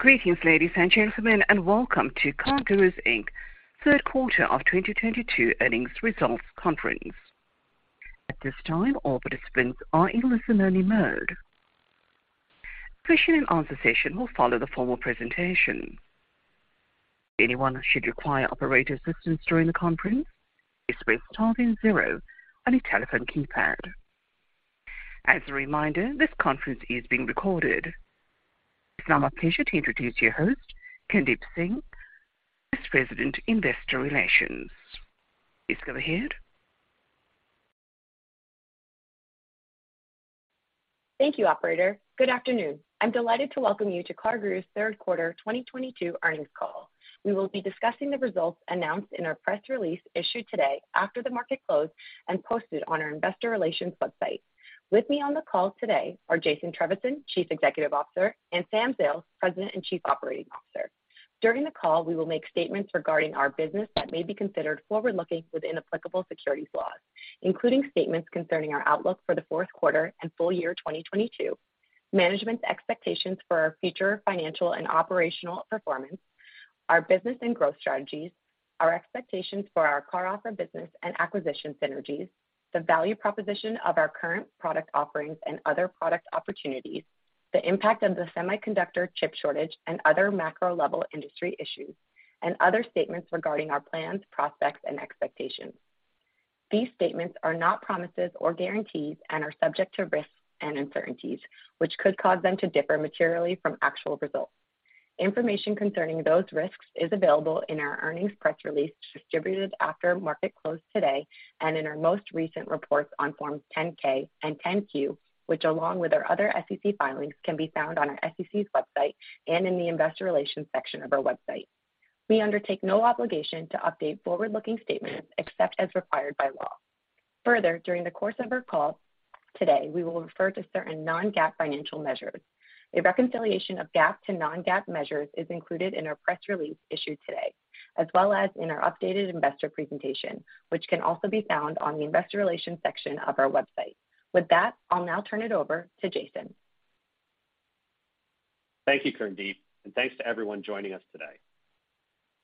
Greetings, ladies and gentlemen, and welcome to CarGurus, Inc.'s Q3 of 2022 earnings results conference. At this time, all participants are in listen-only mode. Question and answer session will follow the formal presentation. If anyone should require operator assistance during the conference, you press star then zero on your telephone keypad. As a reminder, this conference is being recorded. It's now my pleasure to introduce your host, Kirndeep Singh, Vice President, Investor Relations. Please go ahead. Thank you, operator. Good afternoon. I'm delighted to welcome you to CarGurus Q3 2022 earnings call. We will be discussing the results announced in our press release issued today after the market closed and posted on our investor relations website. With me on the call today are Jason Trevisan, Chief Executive Officer, and Sam Zales, President and Chief Operating Officer. During the call, we will make statements regarding our business that may be considered forward-looking within applicable securities laws, including statements concerning our outlook for the Q4 and full year 2022, management's expectations for our future financial and operational performance, our business and growth strategies, our expectations for our CarOffer business and acquisition synergies, the value proposition of our current product offerings and other product opportunities, the impact of the semiconductor chip shortage and other macro level industry issues, and other statements regarding our plans, prospects, and expectations. These statements are not promises or guarantees and are subject to risks and uncertainties which could cause them to differ materially from actual results. Information concerning those risks is available in our earnings press release distributed after market close today and in our most recent reports on Form 10-K and Form 10-Q, which along with our other SEC filings, can be found on the SEC's website and in the investor relations section of our website. We undertake no obligation to update forward-looking statements except as required by law. Further, during the course of our call today, we will refer to certain non-GAAP financial measures. A reconciliation of GAAP to non-GAAP measures is included in our press release issued today, as well as in our updated investor presentation, which can also be found on the investor relations section of our website. With that, I'll now turn it over to Jason. Thank you, Kirndeep, and thanks to everyone joining us today.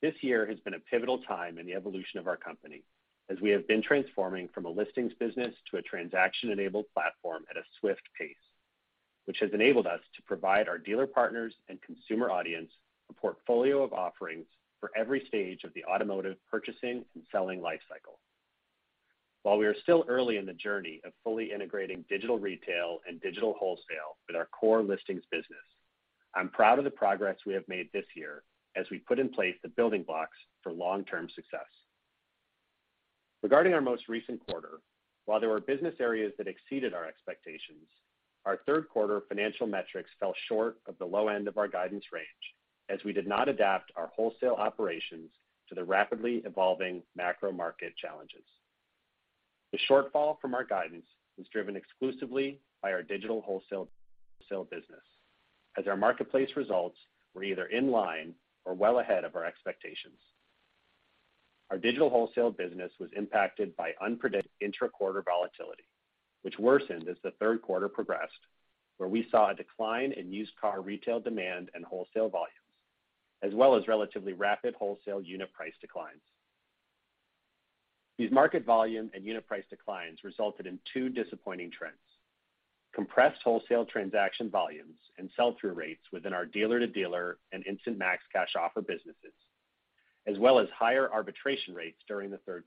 This year has been a pivotal time in the evolution of our company as we have been transforming from a listings business to a transaction-enabled platform at a swift pace, which has enabled us to provide our dealer partners and consumer audience a portfolio of offerings for every stage of the automotive purchasing and selling life cycle. While we are still early in the journey of fully integrating digital retail and digital wholesale with our core listings business, I'm proud of the progress we have made this year as we put in place the building blocks for long-term success. Regarding our most recent quarter, while there were business areas that exceeded our expectations, our Q3 financial metrics fell short of the low end of our guidance range as we did not adapt our wholesale operations to the rapidly evolving macro market challenges. The shortfall from our guidance was driven exclusively by our digital wholesale business as our marketplace results were either in line or well ahead of our expectations. Our digital wholesale business was impacted by intra-quarter volatility, which worsened as the Q3 progressed, where we saw a decline in used car retail demand and wholesale volumes, as well as relatively rapid wholesale unit price declines. These market volume and unit price declines resulted in two disappointing trends, compressed wholesale transaction volumes and sell-through rates within our dealer-to-dealer and Instant Max Cash Offer businesses, as well as higher arbitration rates during the Q3.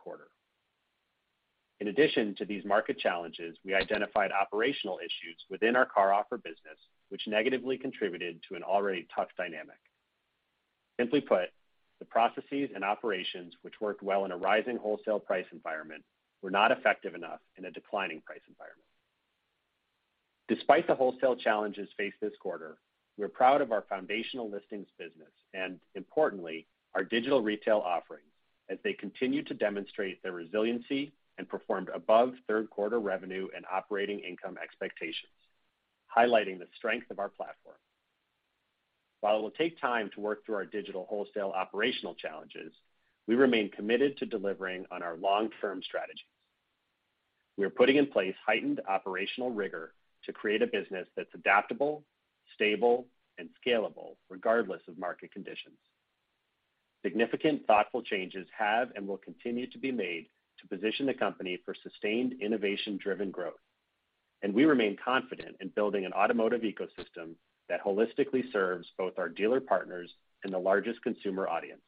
In addition to these market challenges, we identified operational issues within our CarOffer business which negatively contributed to an already tough dynamic. Simply put, the processes and operations which worked well in a rising wholesale price environment were not effective enough in a declining price environment. Despite the wholesale challenges faced this quarter, we're proud of our foundational listings business and, importantly, our digital retail offerings as they continue to demonstrate their resiliency and performed above Q3 revenue and operating income expectations, highlighting the strength of our platform. While it will take time to work through our digital wholesale operational challenges, we remain committed to delivering on our long-term strategies. We are putting in place heightened operational rigor to create a business that's adaptable, stable, and scalable regardless of market conditions. Significant thoughtful changes have and will continue to be made to position the company for sustained innovation-driven growth, and we remain confident in building an automotive ecosystem that holistically serves both our dealer partners and the largest consumer audience.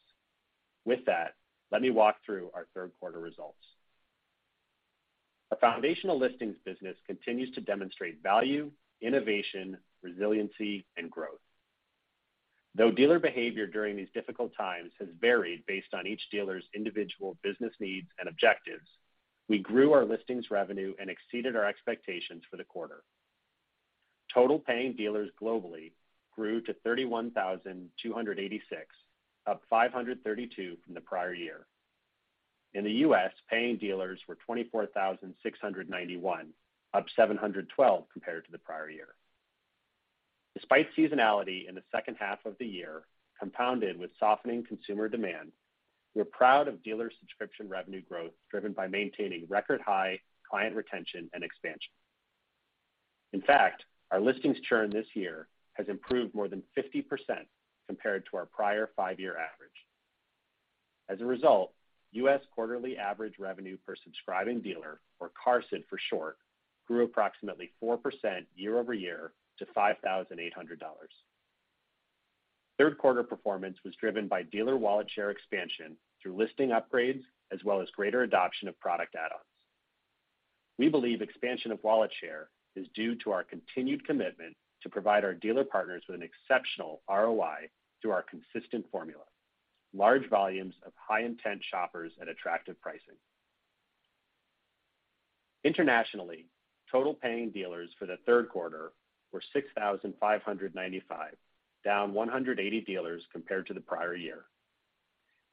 With that, let me walk through our Q3 results. Our foundational listings business continues to demonstrate value, innovation, resiliency, and growth. Though dealer behavior during these difficult times has varied based on each dealer's individual business needs and objectives, we grew our listings revenue and exceeded our expectations for the quarter. Total paying dealers globally grew to 31,286, up 532 from the prior year. In the U.S., paying dealers were 24,691, up 712 compared to the prior year. Despite seasonality in the second half of the year, compounded with softening consumer demand, we're proud of dealer subscription revenue growth driven by maintaining record high client retention and expansion. In fact, our listings churn this year has improved more than 50% compared to our prior five-year average. As a result, US quarterly average revenue per subscribing dealer, or QARSD for short, grew approximately 4% year-over-year to $5,800. Third quarter performance was driven by dealer wallet share expansion through listing upgrades as well as greater adoption of product add-ons. We believe expansion of wallet share is due to our continued commitment to provide our dealer partners with an exceptional ROI through our consistent formula, large volumes of high intent shoppers at attractive pricing. Internationally, total paying dealers for the Q3 were 6,595, down 180 dealers compared to the prior year.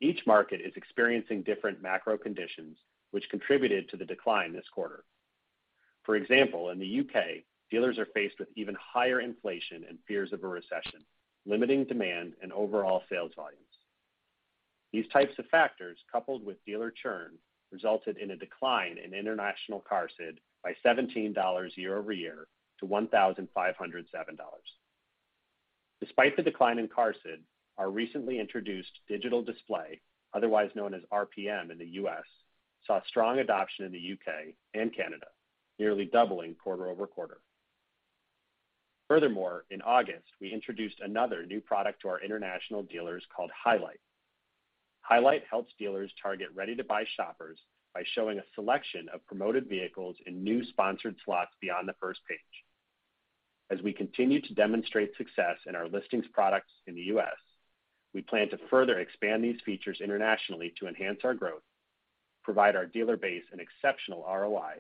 Each market is experiencing different macro conditions which contributed to the decline this quarter. For example, in the U.K., dealers are faced with even higher inflation and fears of a recession, limiting demand and overall sales volumes. These types of factors, coupled with dealer churn, resulted in a decline in international CARSD by $17 year-over-year to $1,507. Despite the decline in CARSD, our recently introduced digital display, otherwise known as RPM in the U.S., saw strong adoption in the U.K. and Canada, nearly doubling quarter-over-quarter. Furthermore, in August, we introduced another new product to our international dealers called Highlight. Highlight helps dealers target ready-to-buy shoppers by showing a selection of promoted vehicles in new sponsored slots beyond the first page. As we continue to demonstrate success in our listings products in the US, we plan to further expand these features internationally to enhance our growth, provide our dealer base an exceptional ROI,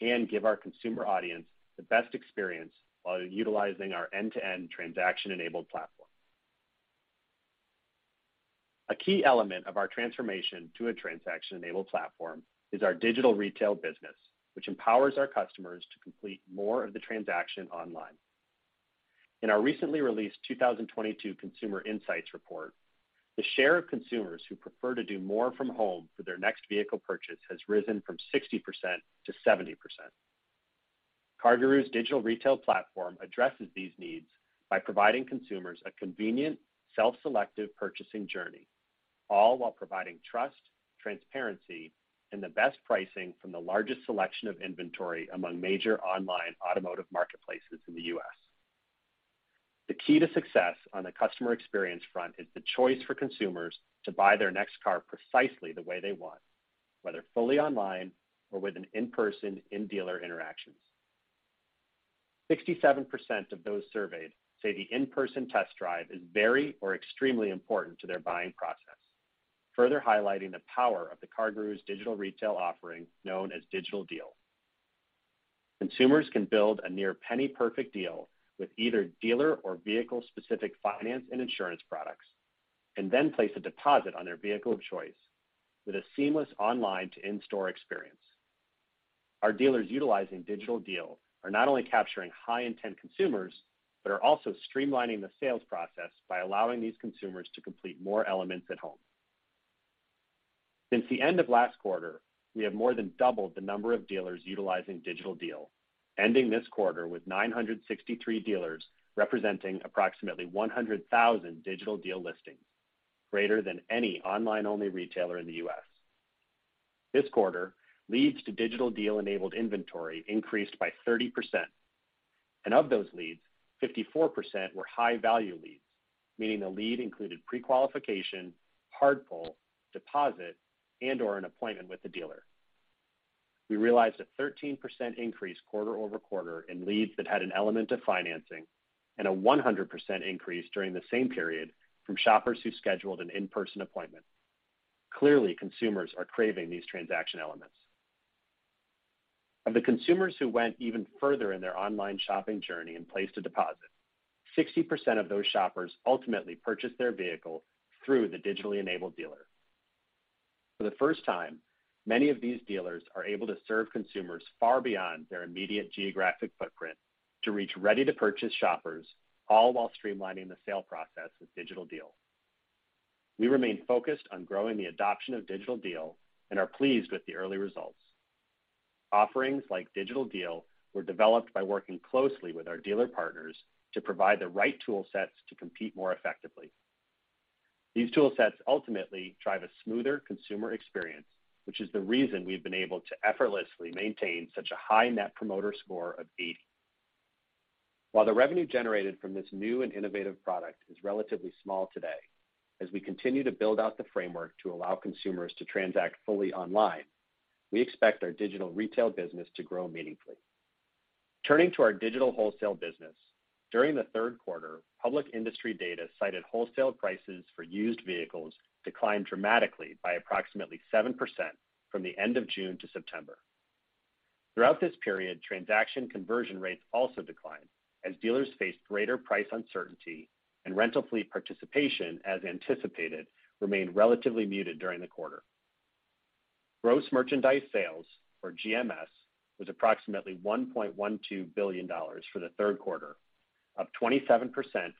and give our consumer audience the best experience while utilizing our end-to-end transaction-enabled platform. A key element of our transformation to a transaction-enabled platform is our digital retail business, which empowers our customers to complete more of the transaction online. In our recently released 2022 Consumer Insights Report, the share of consumers who prefer to do more from home for their next vehicle purchase has risen from 60% to 70%. CarGurus' digital retail platform addresses these needs by providing consumers a convenient, self-selective purchasing journey, all while providing trust, transparency, and the best pricing from the largest selection of inventory among major online automotive marketplaces in the U.S. The key to success on the customer experience front is the choice for consumers to buy their next car precisely the way they want, whether fully online or with an in-person, in-dealer interactions. 67% of those surveyed say the in-person test drive is very or extremely important to their buying process, further highlighting the power of the CarGurus digital retail offering known as Digital Deal. Consumers can build a near penny-perfect deal with either dealer or vehicle-specific finance and insurance products, and then place a deposit on their vehicle of choice with a seamless online-to-in-store experience. Our dealers utilizing Digital Deal are not only capturing high-intent consumers, but are also streamlining the sales process by allowing these consumers to complete more elements at home. Since the end of last quarter, we have more than doubled the number of dealers utilizing Digital Deal, ending this quarter with 963 dealers, representing approximately 100,000 Digital Deal listings, greater than any online-only retailer in the U.S. This quarter, leads to Digital Deal-enabled inventory increased by 30%. Of those leads, 54% were high-value leads, meaning the lead included prequalification, hard pull, deposit, and/or an appointment with the dealer. We realized a 13% increase quarter-over-quarter in leads that had an element of financing, and a 100% increase during the same period from shoppers who scheduled an in-person appointment. Clearly, consumers are craving these transaction elements. Of the consumers who went even further in their online shopping journey and placed a deposit, 60% of those shoppers ultimately purchased their vehicle through the digitally enabled dealer. For the first time, many of these dealers are able to serve consumers far beyond their immediate geographic footprint to reach ready-to-purchase shoppers, all while streamlining the sale process with Digital Deal. We remain focused on growing the adoption of Digital Deal and are pleased with the early results. Offerings like Digital Deal were developed by working closely with our dealer partners to provide the right tool sets to compete more effectively. These tool sets ultimately drive a smoother consumer experience, which is the reason we've been able to effortlessly maintain such a high Net Promoter Score of 80. While the revenue generated from this new and innovative product is relatively small today, as we continue to build out the framework to allow consumers to transact fully online, we expect our digital retail business to grow meaningfully. Turning to our digital wholesale business, during the Q3, public industry data cited wholesale prices for used vehicles declined dramatically by approximately 7% from the end of June to September. Throughout this period, transaction conversion rates also declined as dealers faced greater price uncertainty and rental fleet participation, as anticipated, remained relatively muted during the quarter. Gross merchandise sales, or GMS, was approximately $1.12 billion for the Q3. Up 27%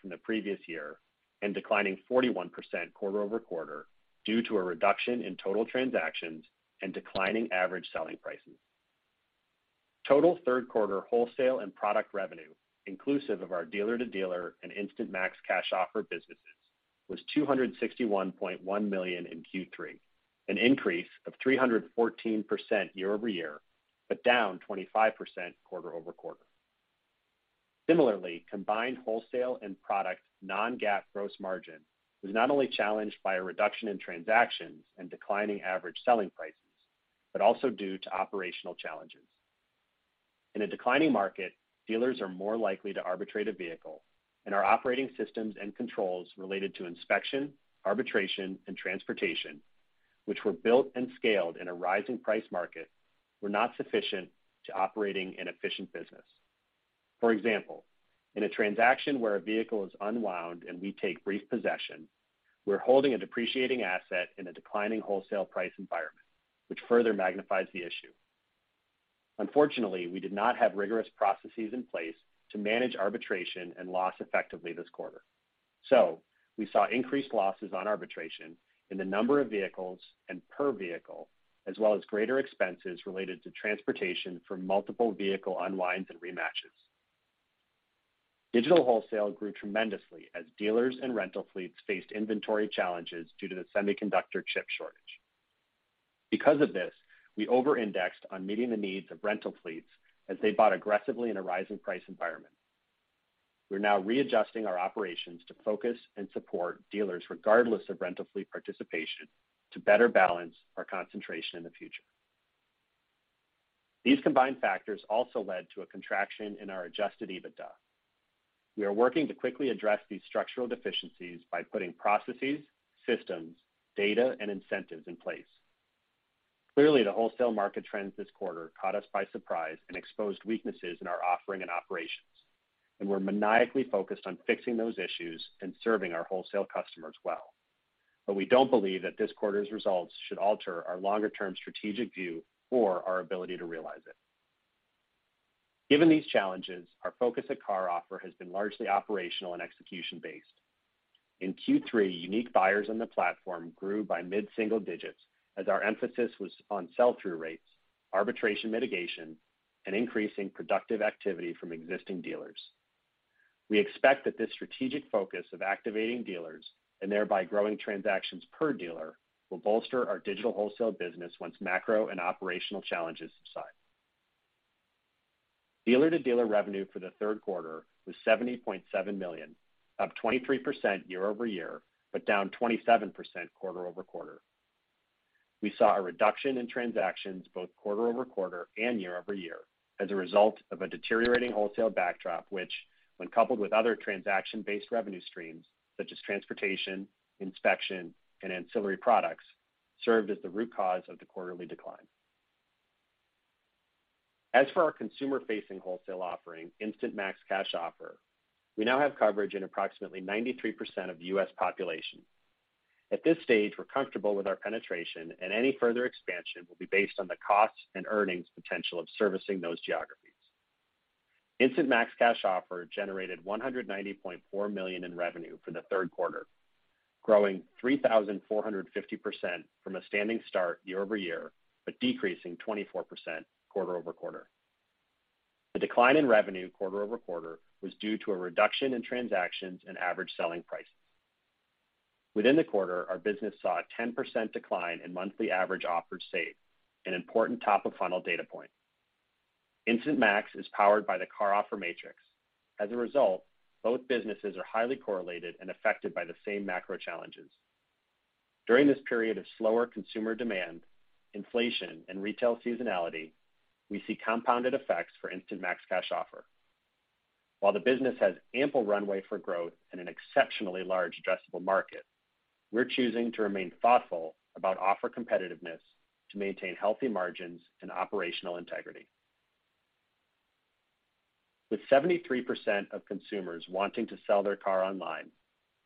from the previous year and declining 41% quarter-over-quarter due to a reduction in total transactions and declining average selling prices. Total Q3 wholesale and product revenue, inclusive of our dealer-to-dealer and Instant Max Cash Offer businesses, was $261.1 million in Q3, an increase of 314% year-over-year, but down 25% quarter-over-quarter. Similarly, combined wholesale and product non-GAAP gross margin was not only challenged by a reduction in transactions and declining average selling prices, but also due to operational challenges. In a declining market, dealers are more likely to arbitrate a vehicle, and our operating systems and controls related to inspection, arbitration, and transportation, which were built and scaled in a rising price market, were not sufficient to operating an efficient business. For example, in a transaction where a vehicle is unwound and we take repossession, we're holding a depreciating asset in a declining wholesale price environment, which further magnifies the issue. Unfortunately, we did not have rigorous processes in place to manage arbitration and loss effectively this quarter. We saw increased losses on arbitration in the number of vehicles and per vehicle, as well as greater expenses related to transportation for multiple vehicle unwinds and rematches. Digital wholesale grew tremendously as dealers and rental fleets faced inventory challenges due to the semiconductor chip shortage. Because of this, we over-indexed on meeting the needs of rental fleets as they bought aggressively in a rising price environment. We're now readjusting our operations to focus and support dealers regardless of rental fleet participation to better balance our concentration in the future. These combined factors also led to a contraction in our adjusted EBITDA. We are working to quickly address these structural deficiencies by putting processes, systems, data, and incentives in place. Clearly, the wholesale market trends this quarter caught us by surprise and exposed weaknesses in our offering and operations, and we're maniacally focused on fixing those issues and serving our wholesale customers well. We don't believe that this quarter's results should alter our longer-term strategic view or our ability to realize it. Given these challenges, our focus at CarOffer has been largely operational and execution-based. In Q3, unique buyers on the platform grew by mid-single digits as our emphasis was on sell-through rates, arbitration mitigation, and increasing productive activity from existing dealers. We expect that this strategic focus of activating dealers and thereby growing transactions per dealer will bolster our digital wholesale business once macro and operational challenges subside. Dealer-to-dealer revenue for the Q3 was $70.7 million, up 23% year-over-year, but down 27% quarter-over-quarter. We saw a reduction in transactions both quarter-over-quarter and year-over-year as a result of a deteriorating wholesale backdrop, which, when coupled with other transaction-based revenue streams such as transportation, inspection, and ancillary products, served as the root cause of the quarterly decline. As for our consumer-facing wholesale offering, Instant Max Cash Offer, we now have coverage in approximately 93% of the U.S. population. At this stage, we're comfortable with our penetration, and any further expansion will be based on the cost and earnings potential of servicing those geographies. Instant Max Cash Offer generated $190.4 million in revenue for the Q3, growing 3,450% from a standing start year-over-year, but decreasing 24% quarter-over-quarter. The decline in revenue quarter-over-quarter was due to a reduction in transactions and average selling prices. Within the quarter, our business saw a 10% decline in monthly average offers saved, an important top-of-funnel data point. Instant Max is powered by the Buying Matrix. As a result, both businesses are highly correlated and affected by the same macro challenges. During this period of slower consumer demand, inflation, and retail seasonality, we see compounded effects for Instant Max Cash Offer. While the business has ample runway for growth in an exceptionally large addressable market, we're choosing to remain thoughtful about offer competitiveness to maintain healthy margins and operational integrity. With 73% of consumers wanting to sell their car online,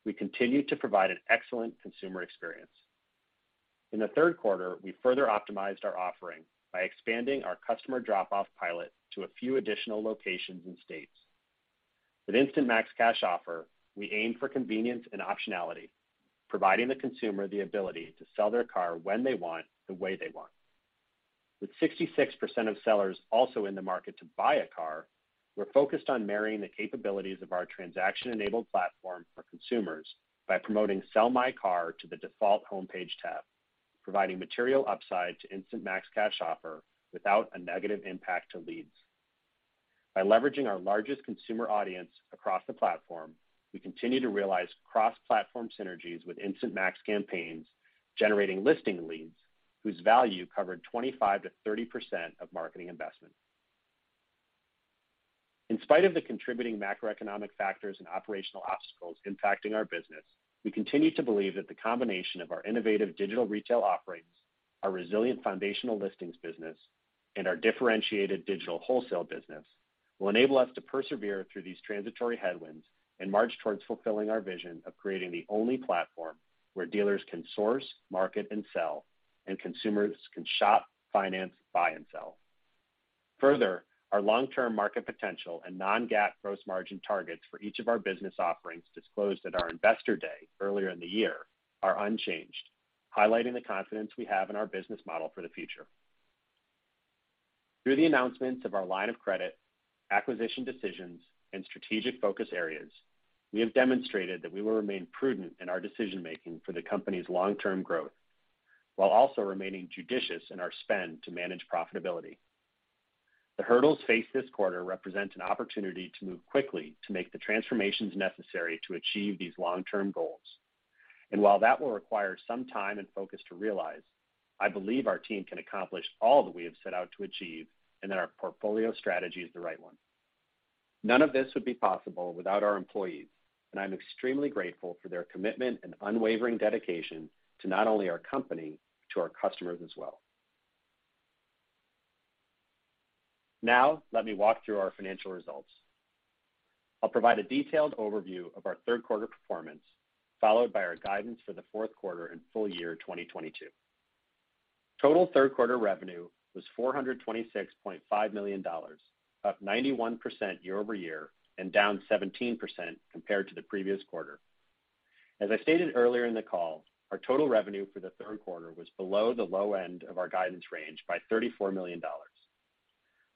we continue to provide an excellent consumer experience. In the Q3, we further optimized our offering by expanding our customer drop-off pilot to a few additional locations and states. With Instant Max Cash Offer, we aim for convenience and optionality, providing the consumer the ability to sell their car when they want, the way they want. With 66% of sellers also in the market to buy a car, we're focused on marrying the capabilities of our transaction-enabled platform for consumers by promoting Sell My Car to the default homepage tab, providing material upside to Instant Max Cash Offer without a negative impact to leads. By leveraging our largest consumer audience across the platform, we continue to realize cross-platform synergies with Instant Max campaigns, generating listing leads whose value covered 25%-30% of marketing investment. In spite of the contributing macroeconomic factors and operational obstacles impacting our business, we continue to believe that the combination of our innovative digital retail offerings, our resilient foundational listings business, and our differentiated digital wholesale business will enable us to persevere through these transitory headwinds. March towards fulfilling our vision of creating the only platform where dealers can source, market, and sell, and consumers can shop, finance, buy, and sell. Further, our long-term market potential and non-GAAP gross margin targets for each of our business offerings disclosed at our investor day earlier in the year are unchanged, highlighting the confidence we have in our business model for the future. Through the announcements of our line of credit, acquisition decisions, and strategic focus areas, we have demonstrated that we will remain prudent in our decision-making for the company's long-term growth, while also remaining judicious in our spend to manage profitability. The hurdles faced this quarter represent an opportunity to move quickly to make the transformations necessary to achieve these long-term goals. While that will require some time and focus to realize, I believe our team can accomplish all that we have set out to achieve, and that our portfolio strategy is the right one. None of this would be possible without our employees, and I'm extremely grateful for their commitment and unwavering dedication to not only our company, but to our customers as well. Now, let me walk through our financial results. I'll provide a detailed overview of our Q3 performance, followed by our guidance for the Q4 and full year 2022. Total Q3 revenue was $426.5 million, up 91% year-over-year and down 17% compared to the previous quarter. As I stated earlier in the call, our total revenue for the Q3 was below the low end of our guidance range by $34 million.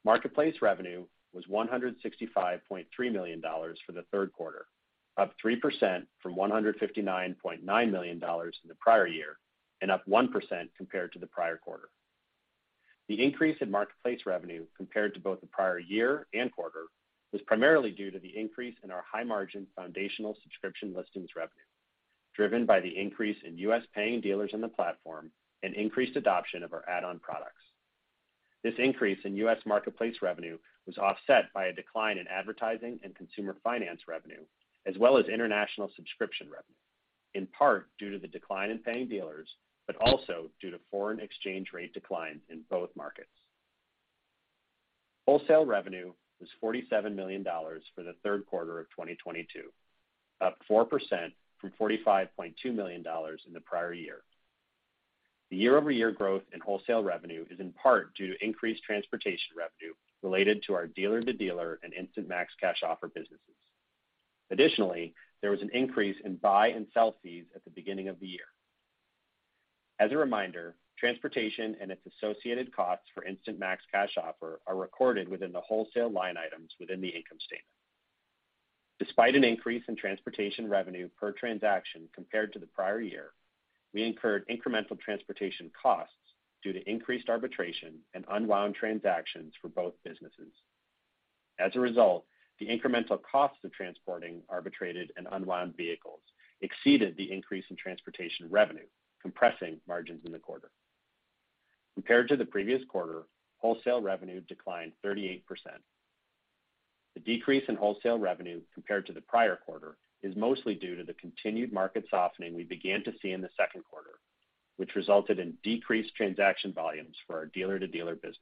Marketplace revenue was $165.3 million for the Q3, up 3% from $159.9 million in the prior year, and up 1% compared to the prior quarter. The increase in marketplace revenue compared to both the prior year and quarter was primarily due to the increase in our high-margin foundational subscription listings revenue, driven by the increase in U.S. paying dealers on the platform and increased adoption of our add-on products. This increase in U.S. marketplace revenue was offset by a decline in advertising and consumer finance revenue, as well as international subscription revenue, in part due to the decline in paying dealers, but also due to foreign exchange rate declines in both markets. Wholesale revenue was $47 million for the Q3 of 2022, up 4% from $45.2 million in the prior year. The year-over-year growth in wholesale revenue is in part due to increased transportation revenue related to our dealer-to-dealer and Instant Max Cash Offer businesses. Additionally, there was an increase in buy and sell fees at the beginning of the year. As a reminder, transportation and its associated costs for Instant Max Cash Offer are recorded within the wholesale line items within the income statement. Despite an increase in transportation revenue per transaction compared to the prior year, we incurred incremental transportation costs due to increased arbitration and unwound transactions for both businesses. As a result, the incremental costs of transporting arbitrated and unwound vehicles exceeded the increase in transportation revenue, compressing margins in the quarter. Compared to the previous quarter, wholesale revenue declined 38%. The decrease in wholesale revenue compared to the prior quarter is mostly due to the continued market softening we began to see in the second quarter, which resulted in decreased transaction volumes for our dealer-to-dealer business.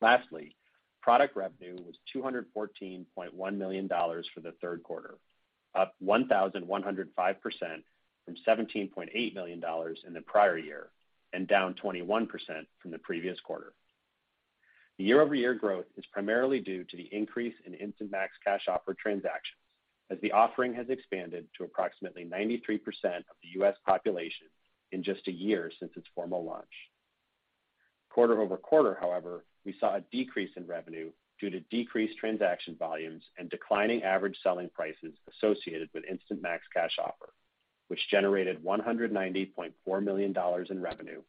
Lastly, product revenue was $214.1 million for the Q3, up 1,105% from $17.8 million in the prior year, and down 21% from the previous quarter. The year-over-year growth is primarily due to the increase in Instant Max Cash Offer transactions, as the offering has expanded to approximately 93% of the U.S. population in just a year since its formal launch. Quarter-over-quarter, however, we saw a decrease in revenue due to decreased transaction volumes and declining average selling prices associated with Instant Max Cash Offer, which generated $190.4 million in revenue,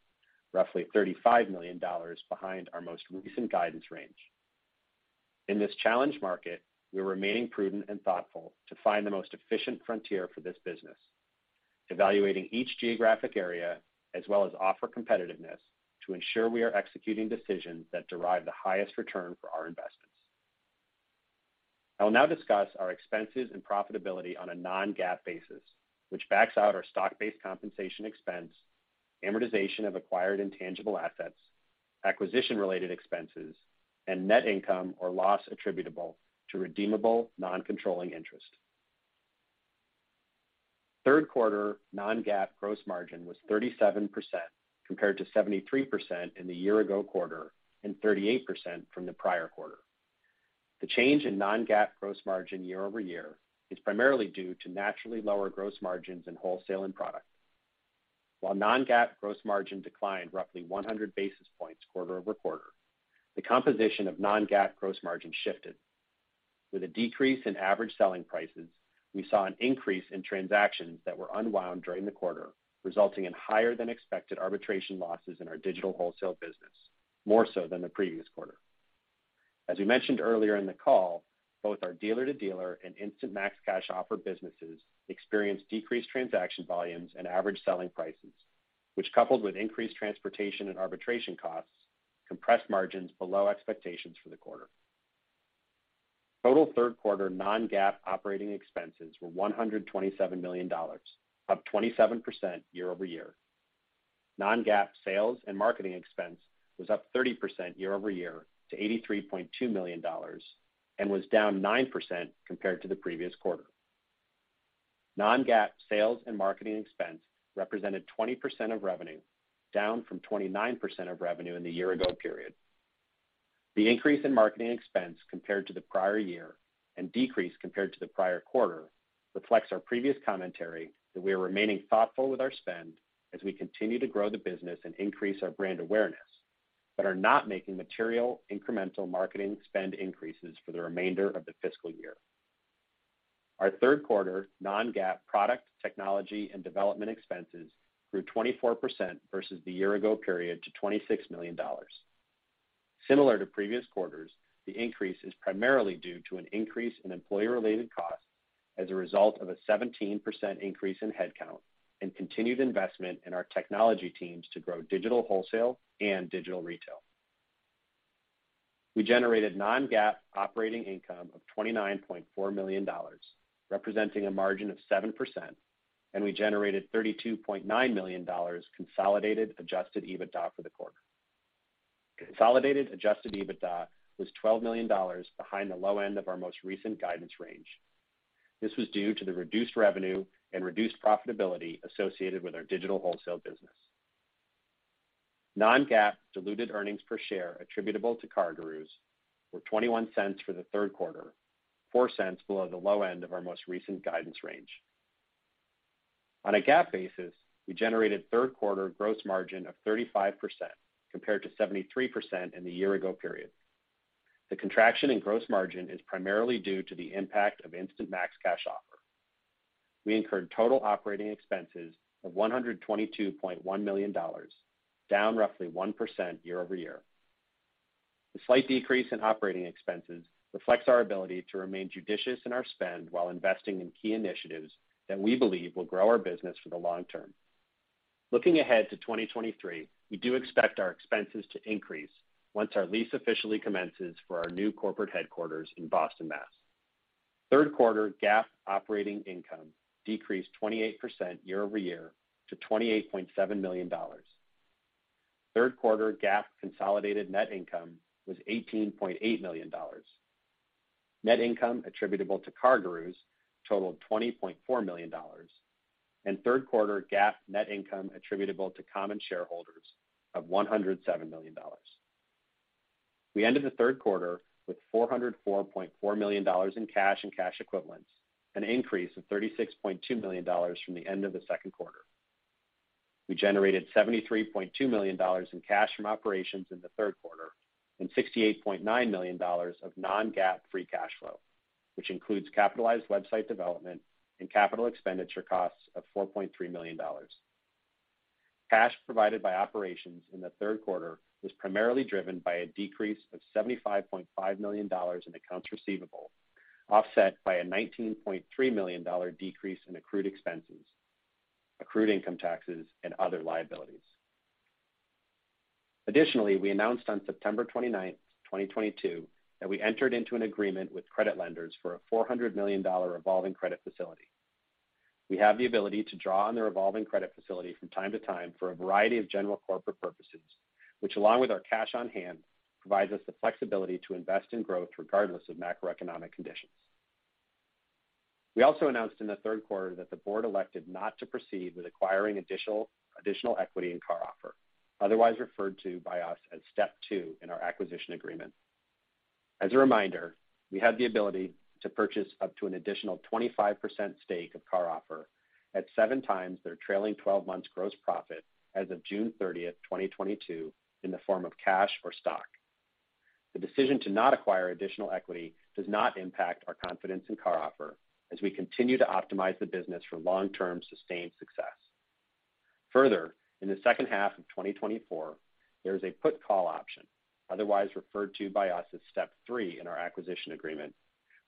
roughly $35 million behind our most recent guidance range. In this challenged market, we are remaining prudent and thoughtful to find the most efficient frontier for this business, evaluating each geographic area as well as offer competitiveness to ensure we are executing decisions that derive the highest return for our investments. I will now discuss our expenses and profitability on a non-GAAP basis, which backs out our stock-based compensation expense, amortization of acquired intangible assets, acquisition-related expenses, and net income or loss attributable to redeemable non-controlling interest. Third quarter non-GAAP gross margin was 37% compared to 73% in the year ago quarter and 38% from the prior quarter. The change in non-GAAP gross margin year-over-year is primarily due to naturally lower gross margins in wholesale end product. While non-GAAP gross margin declined roughly 100 basis points quarter-over-quarter, the composition of non-GAAP gross margin shifted. With a decrease in average selling prices, we saw an increase in transactions that were unwound during the quarter, resulting in higher than expected arbitration losses in our digital wholesale business, more so than the previous quarter. As we mentioned earlier in the call, both our dealer-to-dealer and Instant Max Cash Offer businesses experienced decreased transaction volumes and average selling prices, which coupled with increased transportation and arbitration costs, compressed margins below expectations for the quarter. Total Q3 non-GAAP operating expenses were $127 million, up 27% year-over-year. Non-GAAP sales and marketing expense was up 30% year-over-year to $83.2 million and was down 9% compared to the previous quarter. Non-GAAP sales and marketing expense represented 20% of revenue, down from 29% of revenue in the year-ago period. The increase in marketing expense compared to the prior year and decrease compared to the prior quarter reflects our previous commentary that we are remaining thoughtful with our spend as we continue to grow the business and increase our brand awareness, but are not making material incremental marketing spend increases for the remainder of the fiscal year. Our Q3 non-GAAP product, technology and development expenses grew 24% versus the year ago period to $26 million. Similar to previous quarters, the increase is primarily due to an increase in employee-related costs as a result of a 17% increase in headcount and continued investment in our technology teams to grow digital wholesale and digital retail. We generated non-GAAP operating income of $29.4 million, representing a margin of 7%, and we generated $32.9 million consolidated adjusted EBITDA for the quarter. Consolidated adjusted EBITDA was $12 million behind the low end of our most recent guidance range. This was due to the reduced revenue and reduced profitability associated with our digital wholesale business. Non-GAAP diluted earnings per share attributable to CarGurus were $0.21 for the Q3, $0.04 below the low end of our most recent guidance range. On a GAAP basis, we generated Q3 gross margin of 35% compared to 73% in the year ago period. The contraction in gross margin is primarily due to the impact of Instant Max Cash Offer. We incurred total operating expenses of $122.1 million, down roughly 1% year-over-year. The slight decrease in operating expenses reflects our ability to remain judicious in our spend while investing in key initiatives that we believe will grow our business for the long term. Looking ahead to 2023, we do expect our expenses to increase once our lease officially commences for our new corporate headquarters in Boston, MA. Third quarter GAAP operating income decreased 28% year-over-year to $28.7 million. Third quarter GAAP consolidated net income was $18.8 million. Net income attributable to CarGurus totaled $20.4 million and Q3 GAAP net income attributable to common shareholders of $107 million. We ended the Q3 with $404.4 million in cash and cash equivalents, an increase of $36.2 million from the end of the second quarter. We generated $73.2 million in cash from operations in the Q3 and $68.9 million of non-GAAP free cash flow, which includes capitalized website development and capital expenditure costs of $4.3 million. Cash provided by operations in the Q3 was primarily driven by a decrease of $75.5 million in accounts receivable, offset by a $19.3 million decrease in accrued expenses, accrued income taxes and other liabilities. Additionally, we announced on September 29, 2022, that we entered into an agreement with credit lenders for a $400 million revolving credit facility. We have the ability to draw on the revolving credit facility from time to time for a variety of general corporate purposes, which along with our cash on hand, provides us the flexibility to invest in growth regardless of macroeconomic conditions. We also announced in the Q3 that the board elected not to proceed with acquiring additional equity in CarOffer, otherwise referred to by us as step two in our acquisition agreement. As a reminder, we have the ability to purchase up to an additional 25% stake of CarOffer at 7x their trailing 12 months gross profit as of June 30, 2022, in the form of cash or stock. The decision to not acquire additional equity does not impact our confidence in CarOffer as we continue to optimize the business for long-term sustained success. Further, in the second half of 2024, there is a put call option, otherwise referred to by us as step three in our acquisition agreement,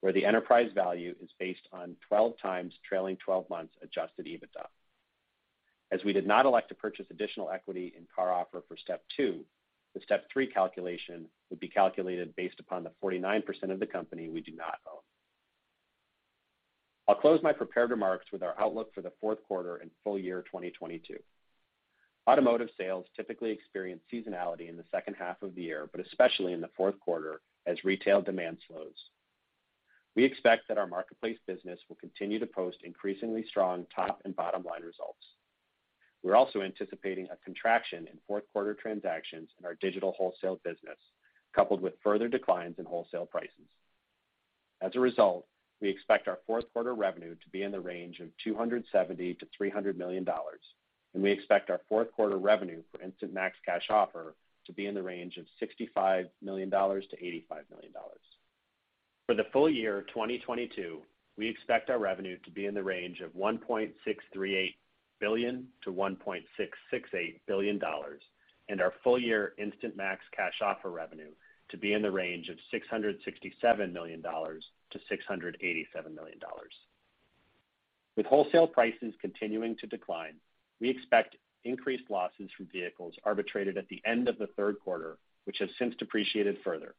where the enterprise value is based on 12x trailing 12 months adjusted EBITDA. As we did not elect to purchase additional equity in CarOffer for step two, the step three calculation would be calculated based upon the 49% of the company we do not own. I'll close my prepared remarks with our outlook for the Q4 and full year 2022. Automotive sales typically experience seasonality in the second half of the year, but especially in the Q4 as retail demand slows. We expect that our marketplace business will continue to post increasingly strong top and bottom line results. We're also anticipating a contraction in Q4 transactions in our digital wholesale business, coupled with further declines in wholesale prices. As a result, we expect our Q4 revenue to be in the range of $270 million-$300 million, and we expect our Q4 revenue for Instant Max Cash Offer to be in the range of $65 million-$85 million. For the full year 2022, we expect our revenue to be in the range of $1.638 billion-$1.668 billion and our full year Instant Max Cash Offer revenue to be in the range of $667 million-$687 million. With wholesale prices continuing to decline, we expect increased losses from vehicles arbitrated at the end of the Q3, which has since depreciated further.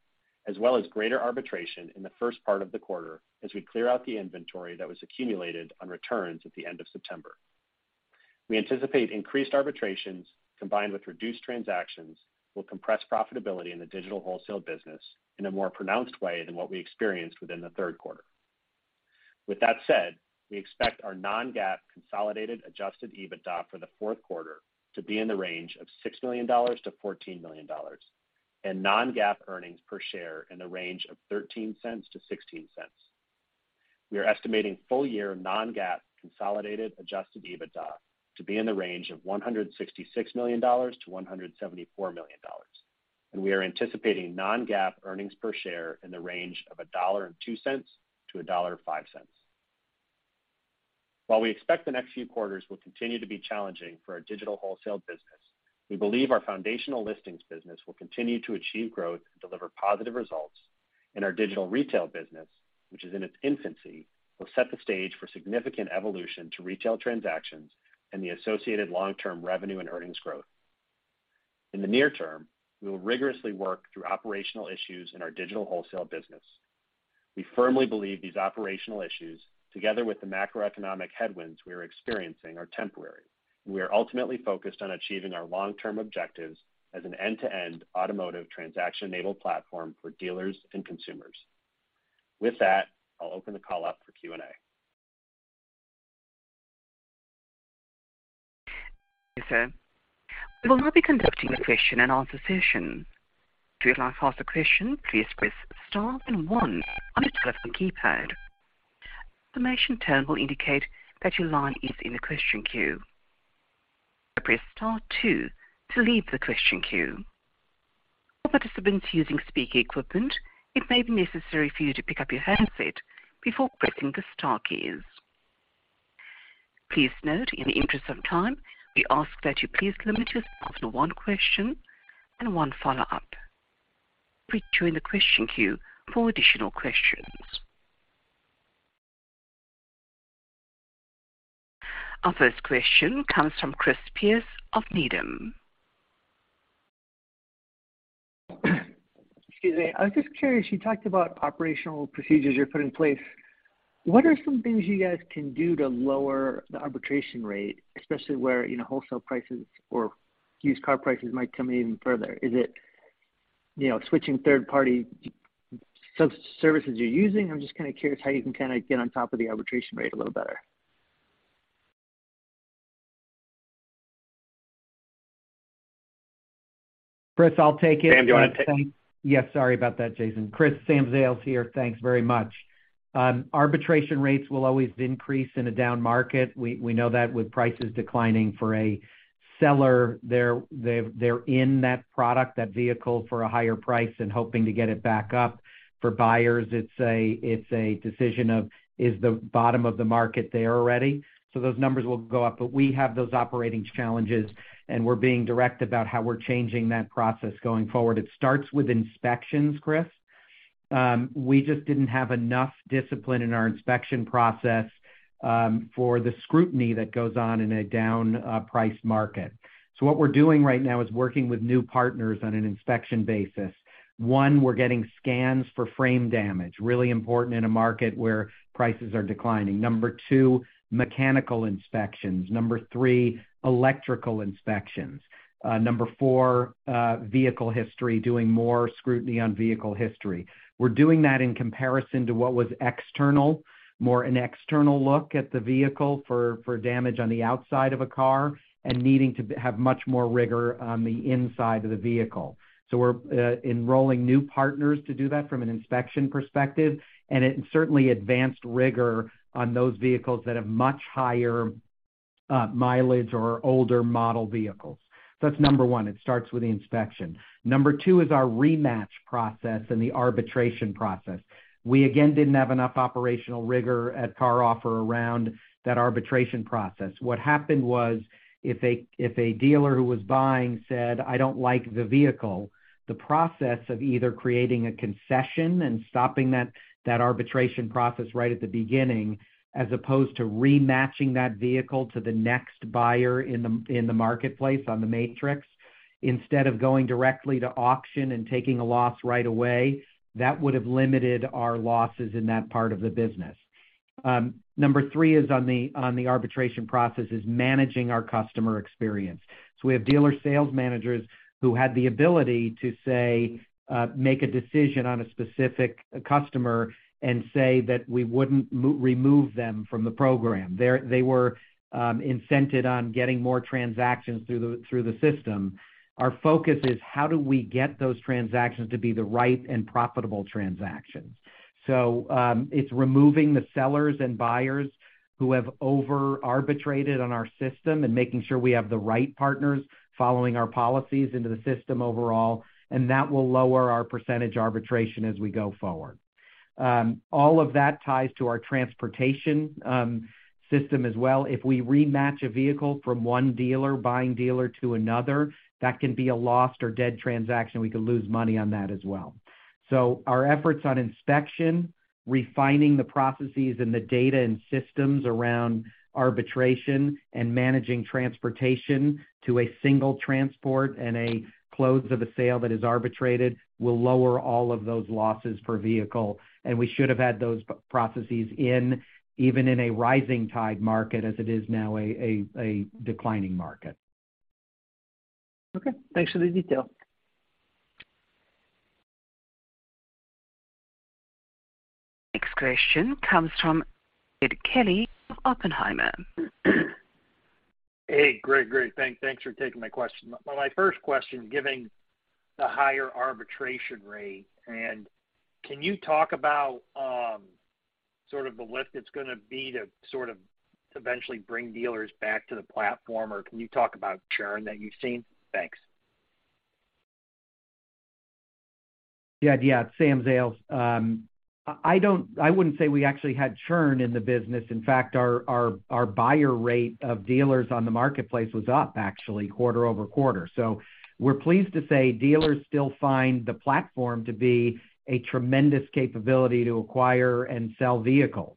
As well as greater arbitration in the first part of the quarter as we clear out the inventory that was accumulated on returns at the end of September. We anticipate increased arbitrations combined with reduced transactions will compress profitability in the digital wholesale business in a more pronounced way than what we experienced within the Q3. With that said, we expect our non-GAAP consolidated adjusted EBITDA for the Q4 to be in the range of $6 million-$14 million and non-GAAP earnings per share in the range of $0.13-$0.16. We are estimating full-year non-GAAP consolidated adjusted EBITDA to be in the range of $166 million-$174 million, and we are anticipating non-GAAP earnings per share in the range of $1.02-$1.05. While we expect the next few quarters will continue to be challenging for our digital wholesale business, we believe our foundational listings business will continue to achieve growth and deliver positive results. In our digital retail business, which is in its infancy, will set the stage for significant evolution to retail transactions and the associated long-term revenue and earnings growth. In the near term, we will rigorously work through operational issues in our digital wholesale business. We firmly believe these operational issues, together with the macroeconomic headwinds we are experiencing, are temporary. We are ultimately focused on achieving our long-term objectives as an end-to-end automotive transaction enabled platform for dealers and consumers. With that, I'll open the call up for Q&A. Thank you, sir. We will now be conducting a question and answer session. If you'd like to ask a question, please press Star then One on your telephone keypad. An information tone will indicate that your line is in the question queue. Press Star Two to leave the question queue. For participants using speaker equipment, it may be necessary for you to pick up your handset before pressing the star keys. Please note, in the interest of time, we ask that you please limit yourself to one question and one follow-up. Wait during the question queue for additional questions. Our first question comes from Chris Pierce of Needham. Excuse me. I was just curious, you talked about operational procedures you're putting in place. What are some things you guys can do to lower the arbitration rate, especially where, you know, wholesale prices or used car prices might come in even further? Is it, you know, switching third party services you're using? I'm just kind of curious how you can kind of get on top of the arbitration rate a little better. Chris, I'll take it. Sam, do you want to take? Yes. Sorry about that, Jason. Chris, Sam Zales here. Thanks very much. Arbitration rates will always increase in a down market. We know that with prices declining for a seller, they're in that product, that vehicle for a higher price and hoping to get it back up. For buyers, it's a decision of is the bottom of the market there already. Those numbers will go up. We have those operating challenges, and we're being direct about how we're changing that process going forward. It starts with inspections, Chris. We just didn't have enough discipline in our inspection process for the scrutiny that goes on in a down price market. What we're doing right now is working with new partners on an inspection basis. 1, we're getting scans for frame damage, really important in a market where prices are declining. 2, mechanical inspections. 3, electrical inspections. 4, vehicle history, doing more scrutiny on vehicle history. We're doing that in comparison to what was external, more an external look at the vehicle for damage on the outside of a car and needing to have much more rigor on the inside of the vehicle. We're enrolling new partners to do that from an inspection perspective, and it certainly advanced rigor on those vehicles that have much higher mileage or older model vehicles. That's 1. It starts with the inspection. 2 is our rematch process and the arbitration process. We again didn't have enough operational rigor at CarOffer around that arbitration process. What happened was if a dealer who was buying said, "I don't like the vehicle," the process of either creating a concession and stopping that arbitration process right at the beginning, as opposed to rematching that vehicle to the next buyer in the marketplace on the Matrix, instead of going directly to auction and taking a loss right away, that would have limited our losses in that part of the business. Number three is on the arbitration process is managing our customer experience. We have dealer sales managers who had the ability to say, make a decision on a specific customer and say that we wouldn't re-remove them from the program. They were incented on getting more transactions through the system. Our focus is how do we get those transactions to be the right and profitable transactions. It's removing the sellers and buyers who have over arbitrated on our system and making sure we have the right partners following our policies into the system overall, and that will lower our percentage arbitration as we go forward. All of that ties to our transportation system as well. If we rematch a vehicle from one dealer to another, that can be a lost or dead transaction. We could lose money on that as well. Our efforts on inspection, refining the processes and the data and systems around arbitration and managing transportation to a single transport and a close of a sale that is arbitrated will lower all of those losses per vehicle. We should have had those processes even in a rising tide market as it is now a declining market. Okay. Thanks for the detail. Next question comes from Jed Kelly of Oppenheimer. Hey, great. Thanks for taking my question. Well, my first question, given the higher attrition rate, and can you talk about sort of the lift it's gonna be to sort of eventually bring dealers back to the platform or can you talk about churn that you've seen? Thanks. I wouldn't say we actually had churn in the business. In fact, our buyer rate of dealers on the marketplace was up actually quarter-over-quarter. We're pleased to say dealers still find the platform to be a tremendous capability to acquire and sell vehicles,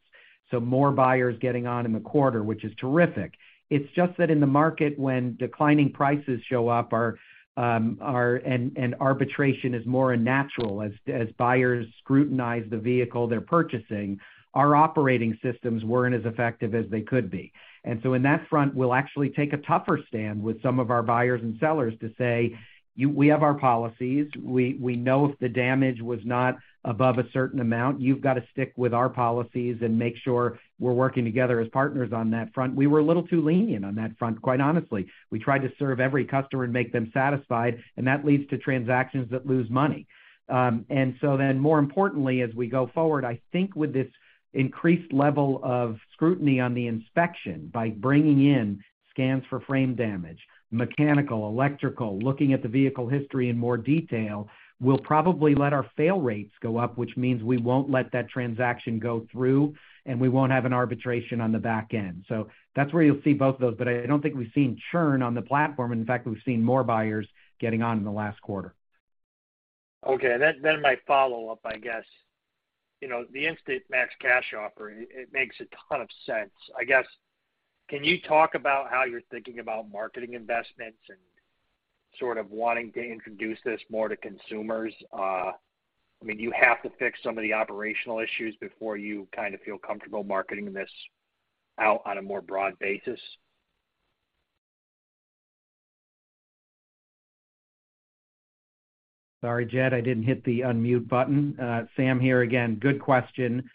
so more buyers getting on in the quarter, which is terrific. It's just that in the market, when declining prices show up, arbitrage is more unattractive as buyers scrutinize the vehicle they're purchasing, our operating systems weren't as effective as they could be. In that front, we'll actually take a tougher stand with some of our buyers and sellers to say, "We have our policies. We know if the damage was not above a certain amount, you've got to stick with our policies and make sure we're working together as partners on that front." We were a little too lenient on that front, quite honestly. We tried to serve every customer and make them satisfied, and that leads to transactions that lose money. More importantly, as we go forward, I think with this increased level of scrutiny on the inspection by bringing in scans for frame damage, mechanical, electrical, looking at the vehicle history in more detail, we'll probably let our fail rates go up, which means we won't let that transaction go through, and we won't have an arbitration on the back end. That's where you'll see both of those, but I don't think we've seen churn on the platform. In fact, we've seen more buyers getting on in the last quarter. Okay. My follow-up, I guess. You know, the Instant Max Cash Offer, it makes a ton of sense. I guess, can you talk about how you're thinking about marketing investments and sort of wanting to introduce this more to consumers? I mean, do you have to fix some of the operational issues before you kind of feel comfortable marketing this out on a more broad basis? Sorry, Jed, I didn't hit the unmute button. Sam here again. Good question.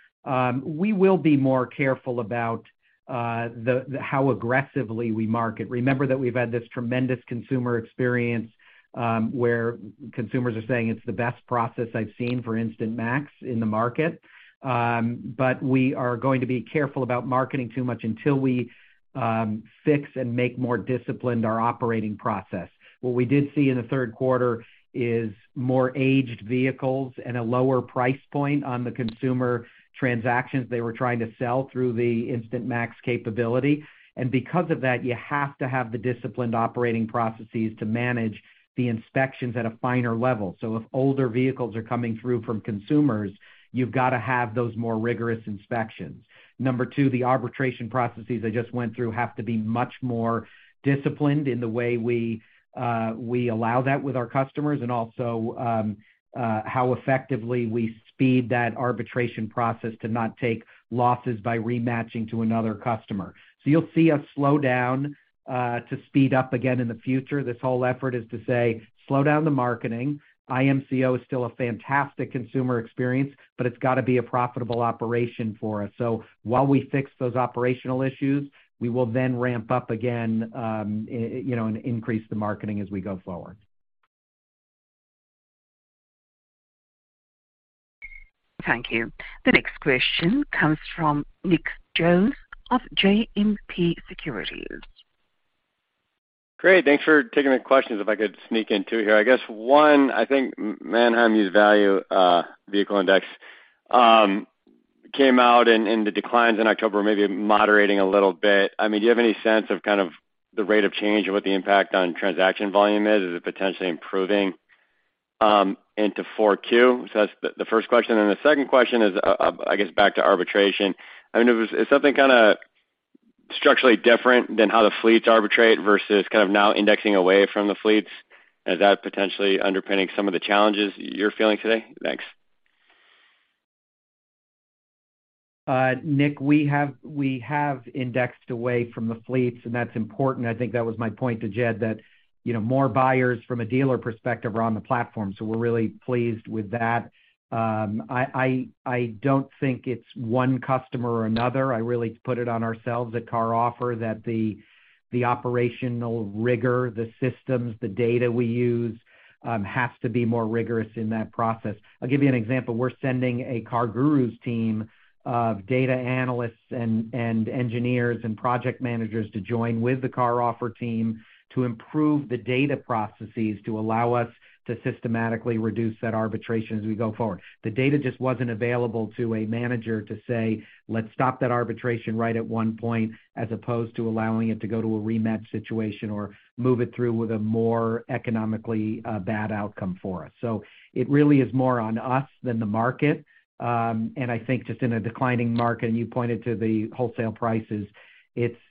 We will be more careful about how aggressively we market. Remember that we've had this tremendous consumer experience, where consumers are saying it's the best process I've seen for Instant Max in the market. We are going to be careful about marketing too much until we fix and make more disciplined our operating process. What we did see in the Q3 is more aged vehicles and a lower price point on the consumer transactions they were trying to sell through the Instant Max capability. Because of that, you have to have the disciplined operating processes to manage the inspections at a finer level. If older vehicles are coming through from consumers, you've got to have those more rigorous inspections. Number two, the arbitration processes I just went through have to be much more disciplined in the way we allow that with our customers, and also, how effectively we speed that arbitration process to not take losses by rematching to another customer. You'll see us slow down to speed up again in the future. This whole effort is to say, slow down the marketing. IMCO is still a fantastic consumer experience, but it's got to be a profitable operation for us. While we fix those operational issues, we will then ramp up again, you know, and increase the marketing as we go forward. Thank you. The next question comes from Nick Jones of JMP Securities. Great. Thanks for taking the questions. If I could sneak in 2 here. I guess one, I think Manheim Used Vehicle Value Index came out in the declines in October, maybe moderating a little bit. I mean, do you have any sense of kind of the rate of change and what the impact on transaction volume is? Is it potentially improving into 4Q? That's the first question, and the second question is, I guess back to arbitration. I mean, if it's something kinda structurally different than how the fleets arbitrate versus kind of now indexing away from the fleets, is that potentially underpinning some of the challenges you're feeling today? Thanks. Nick, we have indexed away from the fleets, and that's important. I think that was my point to Jed that, you know, more buyers from a dealer perspective are on the platform, so we're really pleased with that. I don't think it's one customer or another. I really put it on ourselves at CarOffer that the operational rigor, the systems, the data we use has to be more rigorous in that process. I'll give you an example. We're sending a CarGurus team of data analysts and engineers and project managers to join with the CarOffer team to improve the data processes to allow us to systematically reduce that arbitration as we go forward. The data just wasn't available to a manager to say, "Let's stop that arbitration right at one point," as opposed to allowing it to go to a rematch situation or move it through with a more economically bad outcome for us. It really is more on us than the market. I think just in a declining market, and you pointed to the wholesale prices,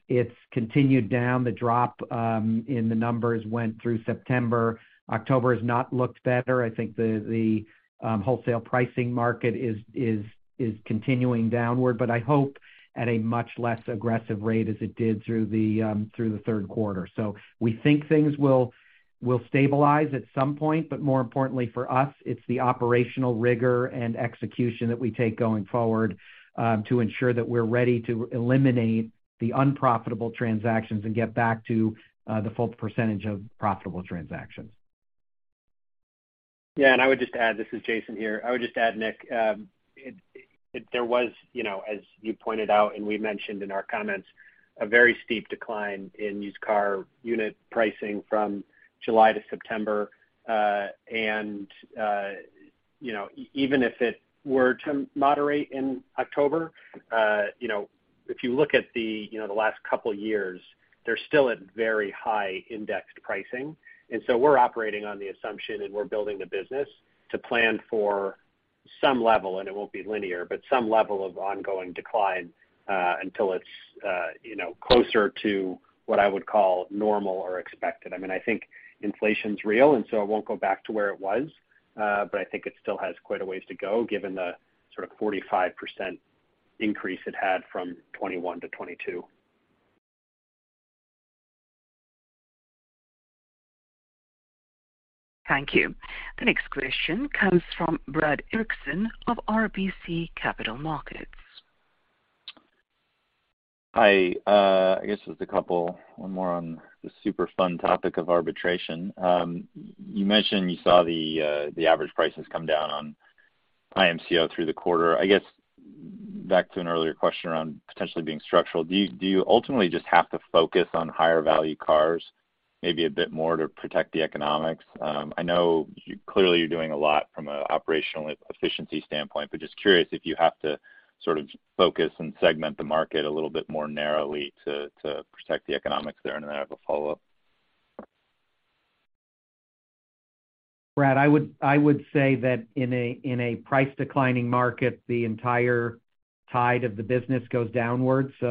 it's continued down. The drop in the numbers went through September. October has not looked better. I think the wholesale pricing market is continuing downward, but I hope at a much less aggressive rate as it did through the Q3. We think things will stabilize at some point, but more importantly for us, it's the operational rigor and execution that we take going forward, to ensure that we're ready to eliminate the unprofitable transactions and get back to the full percentage of profitable transactions. Yeah. I would just add, this is Jason here. I would just add, Nick, there was, you know, as you pointed out and we mentioned in our comments, a very steep decline in used car unit pricing from July to September. You know, even if it were to moderate in October, you know, if you look at the, you know, the last couple years, they're still at very high indexed pricing. We're operating on the assumption, and we're building the business to plan for some level, and it won't be linear, but some level of ongoing decline, until it's, you know, closer to what I would call normal or expected. I mean, I think inflation's real, and so it won't go back to where it was, but I think it still has quite a ways to go given the sort of 45% increase it had from 2021 to 2022. Thank you. The next question comes from Brad Erickson of RBC Capital Markets. Hi. I guess just a couple more on the super fun topic of arbitration. You mentioned you saw the average prices come down on IMCO through the quarter. I guess back to an earlier question around potentially being structural. Do you ultimately just have to focus on higher value cars maybe a bit more to protect the economics? I know you clearly are doing a lot from an operational efficiency standpoint, but just curious if you have to sort of focus and segment the market a little bit more narrowly to protect the economics there. I have a follow-up. Brad, I would say that in a price-declining market, the entire tide of the business goes downward. I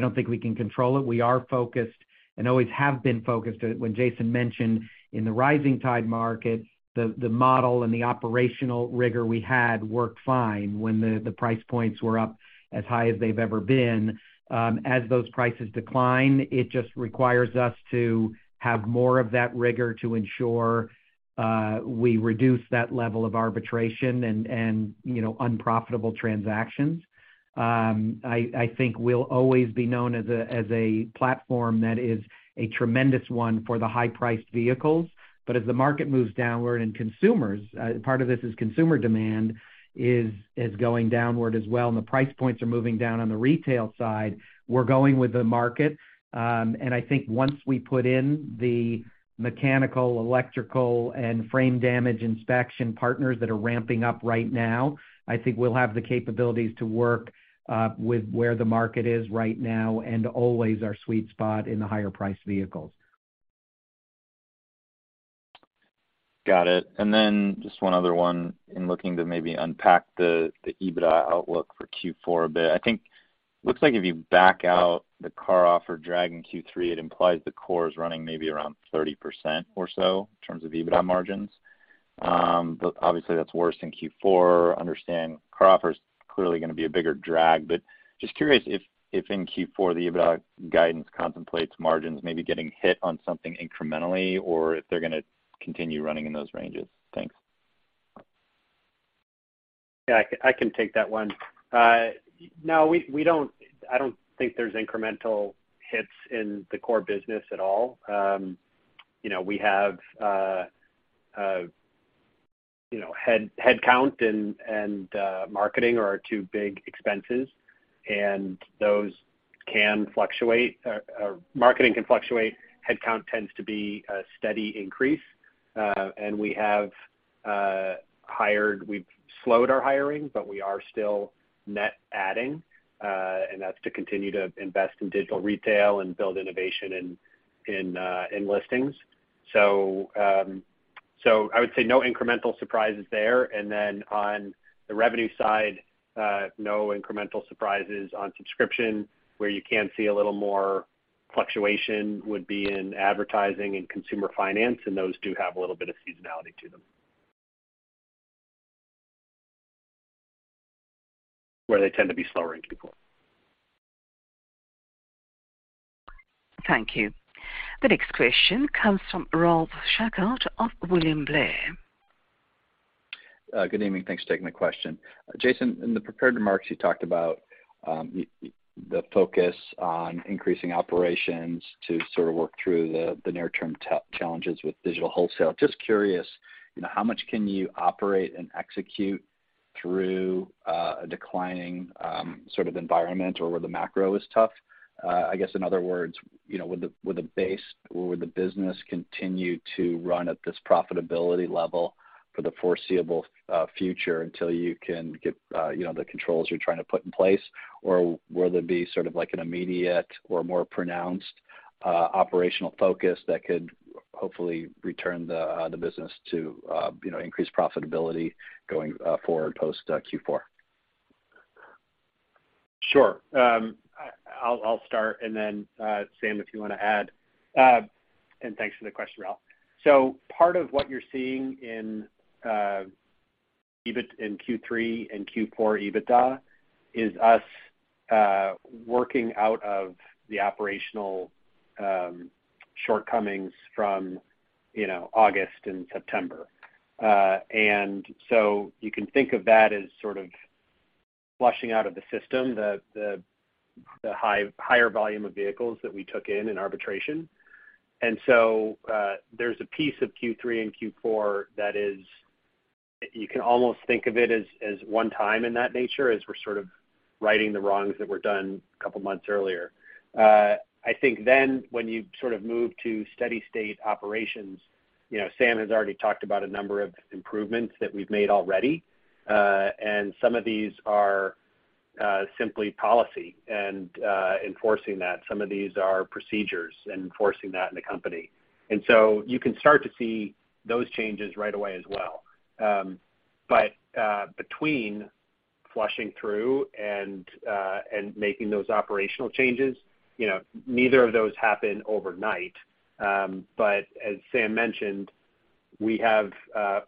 don't think we can control it. We are focused and always have been focused. When Jason mentioned in the rising tide market, the model and the operational rigor we had worked fine when the price points were up as high as they've ever been. As those prices decline, it just requires us to have more of that rigor to ensure we reduce that level of arbitrage and, you know, unprofitable transactions. I think we'll always be known as a platform that is a tremendous one for the high-priced vehicles. As the market moves downward and consumers, part of this is consumer demand is going downward as well, and the price points are moving down on the retail side, we're going with the market. I think once we put in the mechanical, electrical, and frame damage inspection partners that are ramping up right now, I think we'll have the capabilities to work with where the market is right now and always our sweet spot in the higher priced vehicles. Got it. Then just one other one in looking to maybe unpack the EBITDA outlook for Q4 a bit. I think looks like if you back out the CarOffer drag in Q3, it implies the core is running maybe around 30% or so in terms of EBITDA margins. Obviously that's worse in Q4. Understand CarOffer is clearly gonna be a bigger drag, but just curious if in Q4, the EBITDA guidance contemplates margins maybe getting hit on something incrementally or if they're gonna continue running in those ranges. Thanks. Yeah, I can take that one. No, we don't. I don't think there's incremental hits in the core business at all. You know, we have, you know, headcount and marketing are our two big expenses, and those can fluctuate. Marketing can fluctuate. Headcount tends to be a steady increase, and we have hired. We've slowed our hiring, but we are still net adding, and that's to continue to invest in digital retail and build innovation in listings. I would say no incremental surprises there. On the revenue side, no incremental surprises on subscription. Where you can see a little more fluctuation would be in advertising and consumer finance, and those do have a little bit of seasonality to them. Where they tend to be slower into the core. Thank you. The next question comes from Ralph Schackart of William Blair. Good evening. Thanks for taking my question. Jason, in the prepared remarks, you talked about the focus on increasing operations to sort of work through the near-term challenges with digital wholesale. Just curious, you know, how much can you operate and execute through a declining sort of environment or where the macro is tough? I guess in other words, you know, would the base or would the business continue to run at this profitability level for the foreseeable future until you can get, you know, the controls you're trying to put in place? Or will there be sort of like an immediate or more pronounced operational focus that could hopefully return the business to, you know, increase profitability going forward post Q4? Sure. I'll start and then, Sam, if you wanna add. Thanks for the question, Ralph. Part of what you're seeing in EBITDA in Q3 and Q4 is us working out of the operational shortcomings from, you know, August and September. You can think of that as sort of flushing out of the system the higher volume of vehicles that we took in in arbitration. There's a piece of Q3 and Q4 that is one time in that nature as we're sort of righting the wrongs that were done a couple months earlier. I think then when you sort of move to steady-state operations, you know, Sam has already talked about a number of improvements that we've made already. Some of these are simply policy and enforcing that. Some of these are procedures and enforcing that in the company. You can start to see those changes right away as well. Between flushing through and making those operational changes, you know, neither of those happen overnight. As Sam mentioned, we have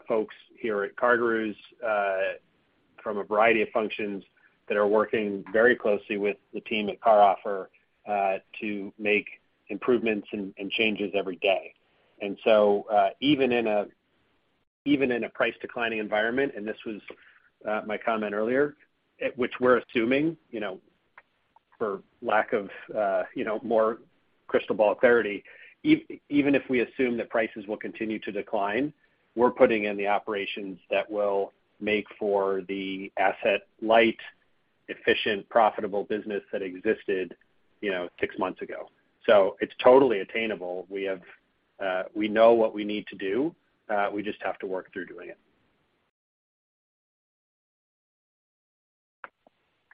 folks here at CarGurus from a variety of functions that are working very closely with the team at CarOffer to make improvements and changes every day. Even in a price declining environment, and this was my comment earlier, which we're assuming, you know, for lack of more crystal ball clarity. Even if we assume that prices will continue to decline, we're putting in the operations that will make for the asset light, efficient, profitable business that existed, you know, six months ago. It's totally attainable. We know what we need to do. We just have to work through doing it.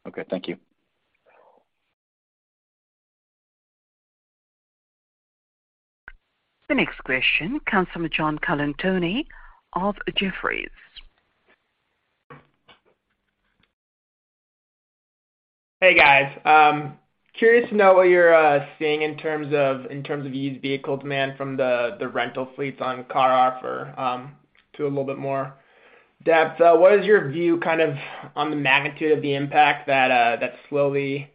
Okay, thank you. The next question comes from John Colantuoni of Jefferies. Hey, guys. Curious to know what you're seeing in terms of used vehicle demand from the rental fleets on CarOffer. To a little bit more depth, what is your view kind of on the magnitude of the impact that that's slowly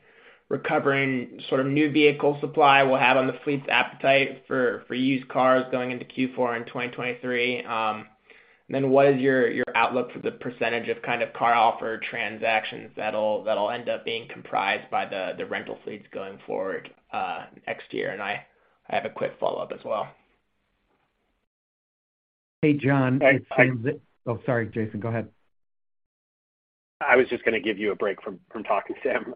recovering sort of new vehicle supply will have on the fleet's appetite for used cars going into Q4 in 2023? What is your outlook for the percentage of kind of CarOffer transactions that'll end up being comprised by the rental fleets going forward, next year? I have a quick follow-up as well. Hey, John. It's Sam. I- Oh, sorry, Jason, go ahead. I was just gonna give you a break from talking, Sam.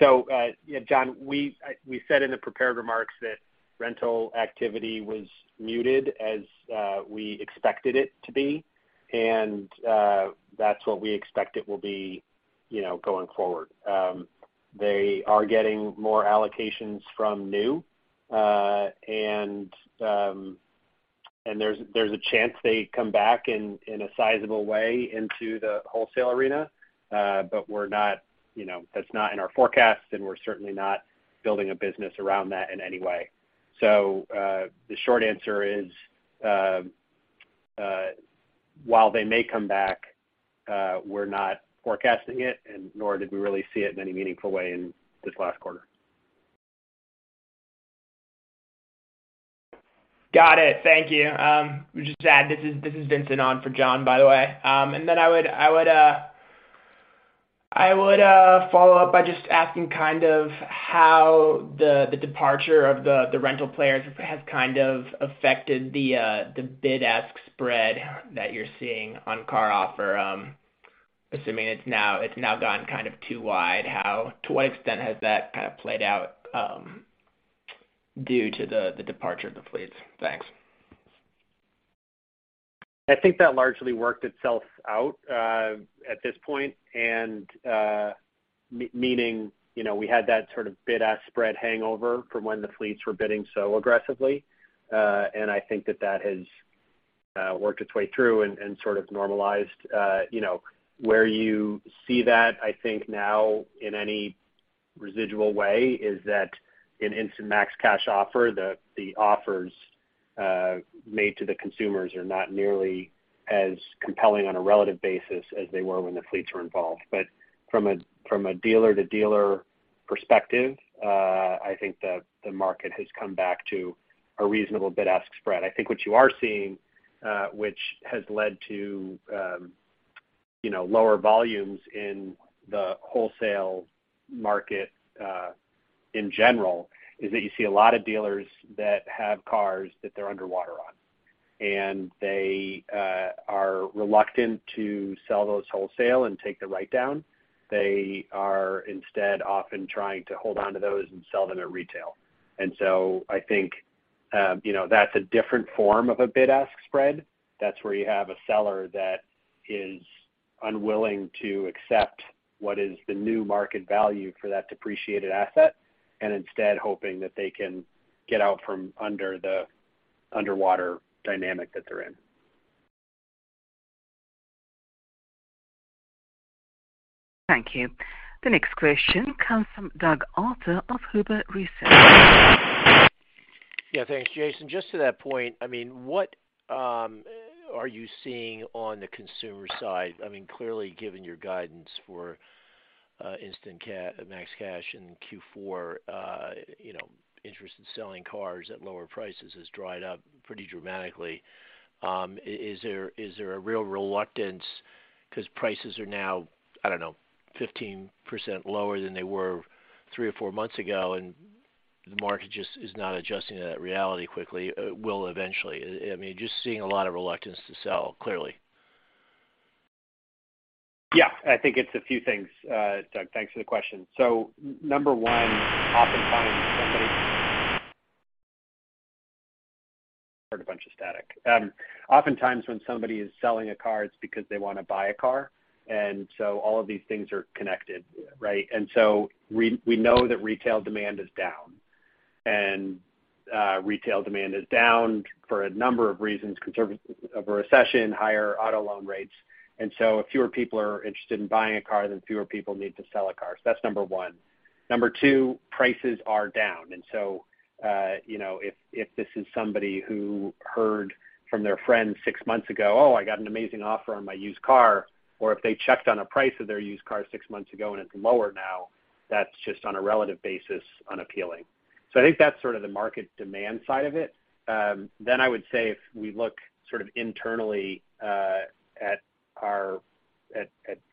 John, we said in the prepared remarks that rental activity was muted as we expected it to be. That's what we expect it will be, you know, going forward. They are getting more allocations from new and there's a chance they come back in a sizable way into the wholesale arena. But we're not, you know, that's not in our forecast, and we're certainly not building a business around that in any way. The short answer is, while they may come back, we're not forecasting it, and nor did we really see it in any meaningful way in this last quarter. Got it. Thank you. Just to add, this is Vincent on for John, by the way. I would follow up by just asking kind of how the departure of the rental players has kind of affected the bid-ask spread that you're seeing on CarOffer. Assuming it's now gotten kind of too wide, to what extent has that kind of played out due to the departure of the fleets? Thanks. I think that largely worked itself out at this point. Meaning, you know, we had that sort of bid-ask spread hangover from when the fleets were bidding so aggressively. I think that has worked its way through and sort of normalized. You know, where you see that, I think now in any residual way, is that in Instant Max Cash Offer, the offers made to the consumers are not nearly as compelling on a relative basis as they were when the fleets were involved. From a dealer-to-dealer perspective, I think the market has come back to a reasonable bid-ask spread. I think what you are seeing, which has led to, you know, lower volumes in the wholesale market, in general, is that you see a lot of dealers that have cars that they're underwater on, and they are reluctant to sell those wholesale and take the write down. They are instead often trying to hold on to those and sell them at retail. I think, you know, that's a different form of a bid-ask spread. That's where you have a seller that is unwilling to accept what is the new market value for that depreciated asset and instead hoping that they can get out from under the underwater dynamic that they're in. Thank you. The next question comes from Doug Arthur of Huber Research. Yeah, thanks, Jason. Just to that point, I mean what are you seeing on the consumer side? I mean, clearly, given your guidance for Instant Max Cash in Q4, you know, interest in selling cars at lower prices has dried up pretty dramatically. Is there a real reluctance because prices are now, I don't know, 15% lower than they were three or four months ago, and the market just is not adjusting to that reality quickly? It will eventually. I mean, just seeing a lot of reluctance to sell, clearly. Yeah. I think it's a few things, Doug. Thanks for the question. Number one, oftentimes when somebody is selling a car, it's because they wanna buy a car. All of these things are connected, right? We know that retail demand is down. Retail demand is down for a number of reasons, concerns of a recession, higher auto loan rates. If fewer people are interested in buying a car, then fewer people need to sell a car. That's number one. Number two, prices are down. You know, if this is somebody who heard from their friend six months ago, "Oh, I got an amazing offer on my used car," or if they checked on a price of their used car six months ago and it's lower now, that's just on a relative basis unappealing. I think that's sort of the market demand side of it. I would say if we look sort of internally at our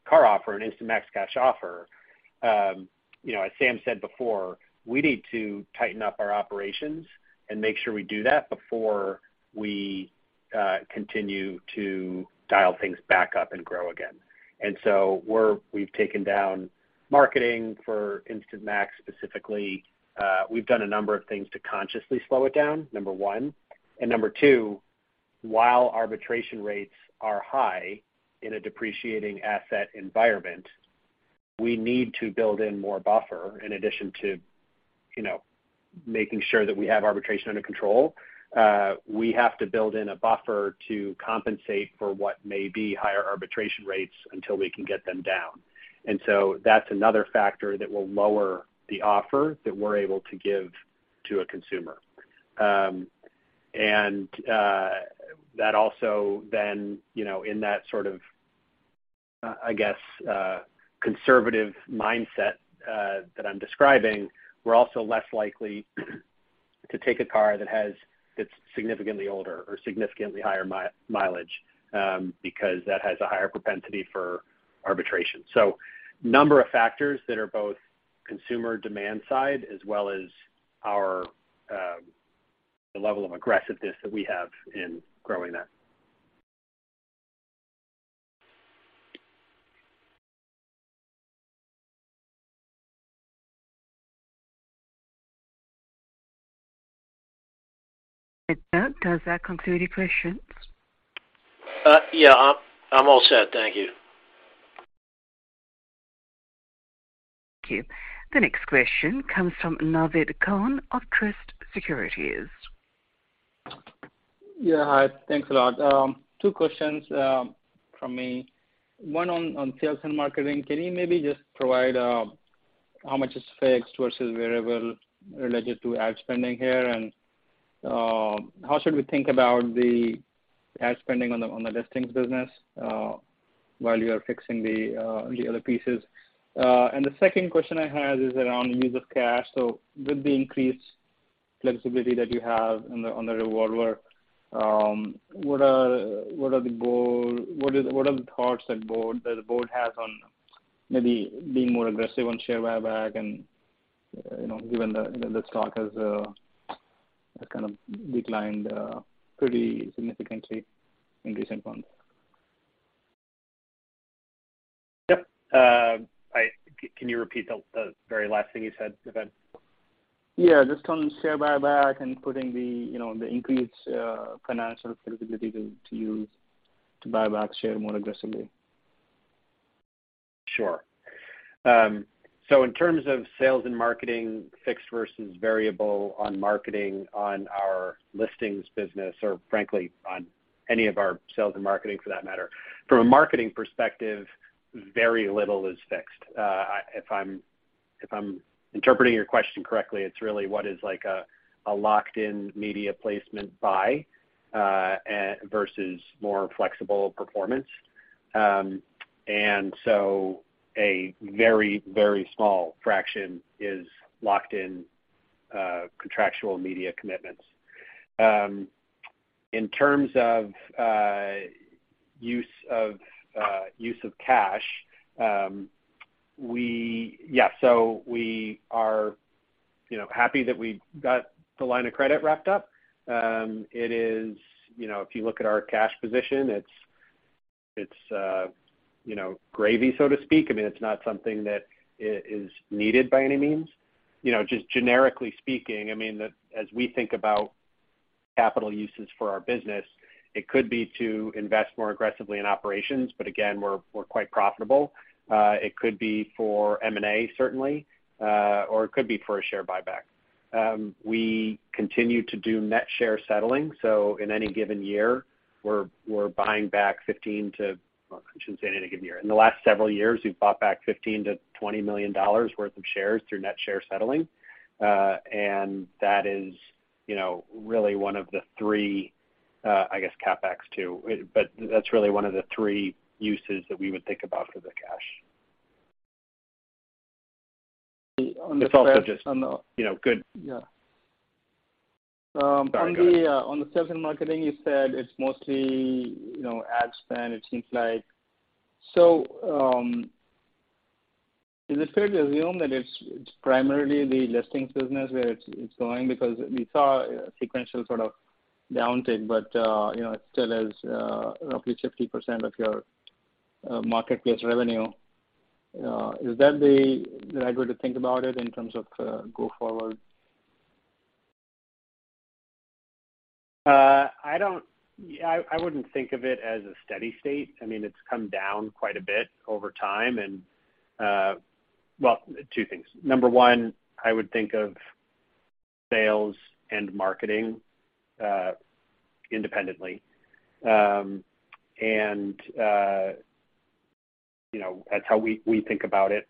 CarOffer and Instant Max Cash Offer, you know, as Sam said before, we need to tighten up our operations and make sure we do that before we continue to dial things back up and grow again. We've taken down marketing for Instant Max Cash Offer specifically. We've done a number of things to consciously slow it down, number one. Number two, while arbitration rates are high in a depreciating asset environment, we need to build in more buffer in addition to, you know, making sure that we have arbitration under control. We have to build in a buffer to compensate for what may be higher arbitration rates until we can get them down. That's another factor that will lower the offer that we're able to give to a consumer. That also then, you know, in that sort of, I guess, conservative mindset that I'm describing, we're also less likely to take a car that's significantly older or significantly higher mileage, because that has a higher propensity for arbitration. Number of factors that are both consumer demand side as well as our, the level of aggressiveness that we have in growing that. Does that conclude your questions? Yeah. I'm all set. Thank you. Thank you. The next question comes from Naved Khan of Truist Securities. Yeah, hi. Thanks a lot. Two questions from me. One on sales and marketing. Can you maybe just provide how much is fixed versus variable related to ad spending here? And how should we think about the ad spending on the listings business while you are fixing the other pieces? And the second question I had is around use of cash. With the increased flexibility that you have on the revolver, what are the thoughts that the board has on maybe being more aggressive on share buyback? You know, given that the stock has kind of declined pretty significantly in recent months? Yep. Can you repeat the very last thing you said, Naved? Yeah, just on share buyback and putting the, you know, the increased financial flexibility to use to buy back shares more aggressively. Sure. In terms of sales and marketing, fixed versus variable on marketing on our listings business or frankly on any of our sales and marketing for that matter. From a marketing perspective, very little is fixed. If I'm interpreting your question correctly, it's really what is like a locked-in media placement buy versus more flexible performance. A very, very small fraction is locked in contractual media commitments. In terms of use of cash, we are happy that we got the line of credit wrapped up. It is, you know, if you look at our cash position, it's gravy, so to speak. I mean, it's not something that is needed by any means. You know, just generically speaking, I mean, the, as we think about capital uses for our business, it could be to invest more aggressively in operations, but again, we're quite profitable. It could be for M&A certainly, or it could be for a share buyback. We continue to do net share settling. Well, I shouldn't say in any given year. In the last several years, we've bought back $15 million-$20 million worth of shares through net share settling. That is, you know, really one of the three, I guess CapEx too. That's really one of the three uses that we would think about for the cash. On the- It's also just. On the- You know, good. Yeah. On the sales and marketing, you said it's mostly, you know, ad spend, it seems like. Is it fair to assume that it's primarily the listings business where it's going because we saw a sequential sort of downtick, but, you know, it still is roughly 50% of your marketplace revenue. Is that the right way to think about it in terms of go forward? I wouldn't think of it as a steady state. I mean, it's come down quite a bit over time and. Well, two things. Number one, I would think of sales and marketing independently. You know, that's how we think about it.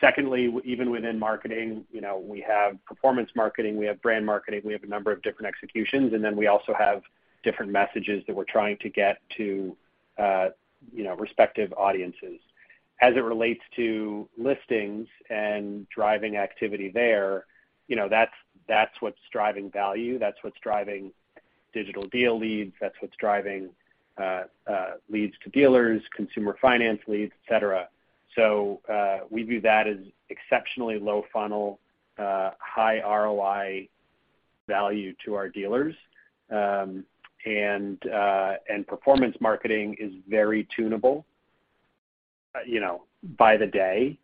Secondly, even within marketing, you know, we have performance marketing, we have brand marketing, we have a number of different executions, and then we also have different messages that we're trying to get to, you know, respective audiences. As it relates to listings and driving activity there, you know, that's what's driving value, that's what's driving digital deal leads, that's what's driving leads to dealers, consumer finance leads, et cetera. So, we view that as exceptionally low funnel high ROI value to our dealers. Performance marketing is very tunable, you know, by the day.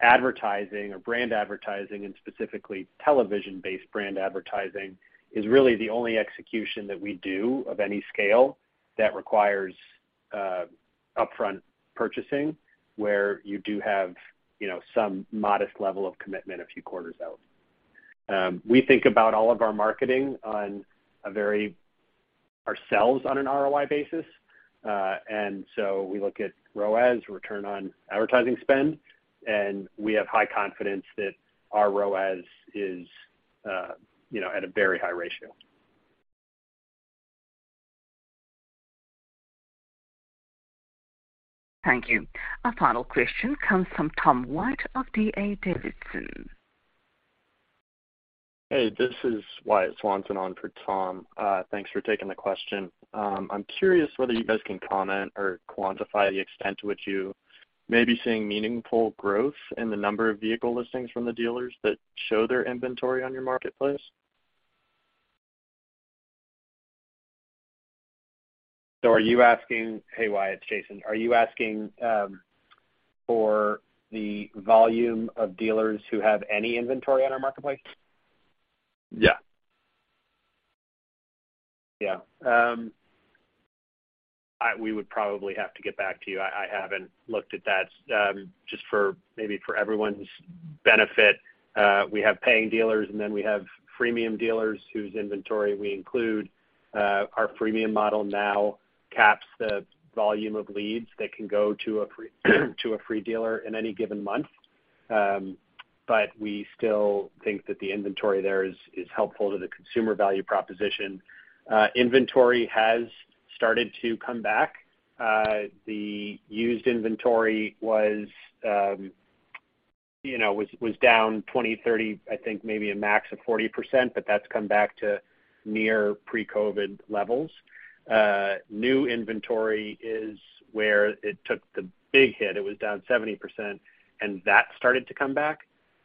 Advertising or brand advertising, and specifically television-based brand advertising, is really the only execution that we do of any scale that requires upfront purchasing, where you do have, you know, some modest level of commitment a few quarters out. We think about all of our marketing on an ROI basis. We look at ROAS, return on advertising spend, and we have high confidence that our ROAS is, you know, at a very high ratio. Thank you. Our final question comes from Tom White of D.A. Davidson. Hey, this is Wyatt Swanson on for Tom. Thanks for taking the question. I'm curious whether you guys can comment or quantify the extent to which you may be seeing meaningful growth in the number of vehicle listings from the dealers that show their inventory on your marketplace. Hey, Wyatt, Jason. Are you asking for the volume of dealers who have any inventory on our marketplace? Yeah. Yeah. We would probably have to get back to you. I haven't looked at that. Just for maybe for everyone's benefit, we have paying dealers, and then we have freemium dealers whose inventory we include. Our freemium model now caps the volume of leads that can go to a free dealer in any given month. But we still think that the inventory there is helpful to the consumer value proposition. Inventory has started to come back. The used inventory was, you know, down 20, 30, I think maybe a max of 40%, but that's come back to near pre-COVID levels. New inventory is where it took the big hit. It was down 70%, and that started to come back.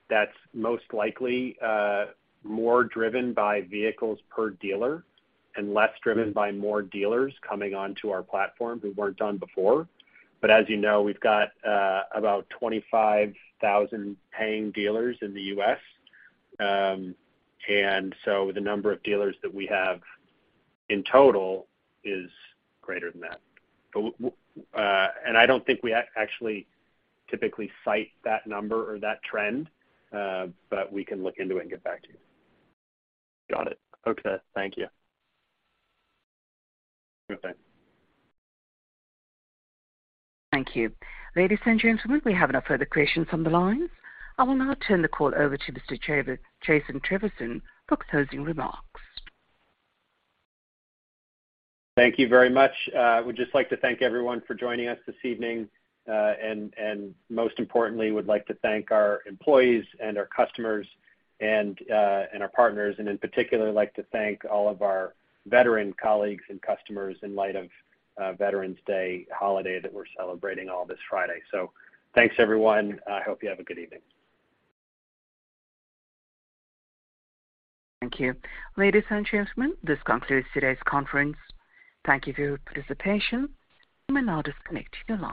That's most likely more driven by vehicles per dealer and less driven by more dealers coming onto our platform who weren't on before. As you know, we've got about 25,000 paying dealers in the U.S. The number of dealers that we have in total is greater than that. I don't think we actually typically cite that number or that trend, but we can look into it and get back to you. Got it. Okay. Thank you. Okay. Thank you. Ladies and gentlemen, we have no further questions on the line. I will now turn the call over to Jason Trevisan for closing remarks. Thank you very much. I would just like to thank everyone for joining us this evening. And most importantly, we'd like to thank our employees and our customers and our partners, and in particular, I'd like to thank all of our veteran colleagues and customers in light of Veterans Day holiday that we're celebrating all this Friday. Thanks, everyone. I hope you have a good evening. Thank you. Ladies and gentlemen, this concludes today's conference. Thank you for your participation. You may now disconnect your lines.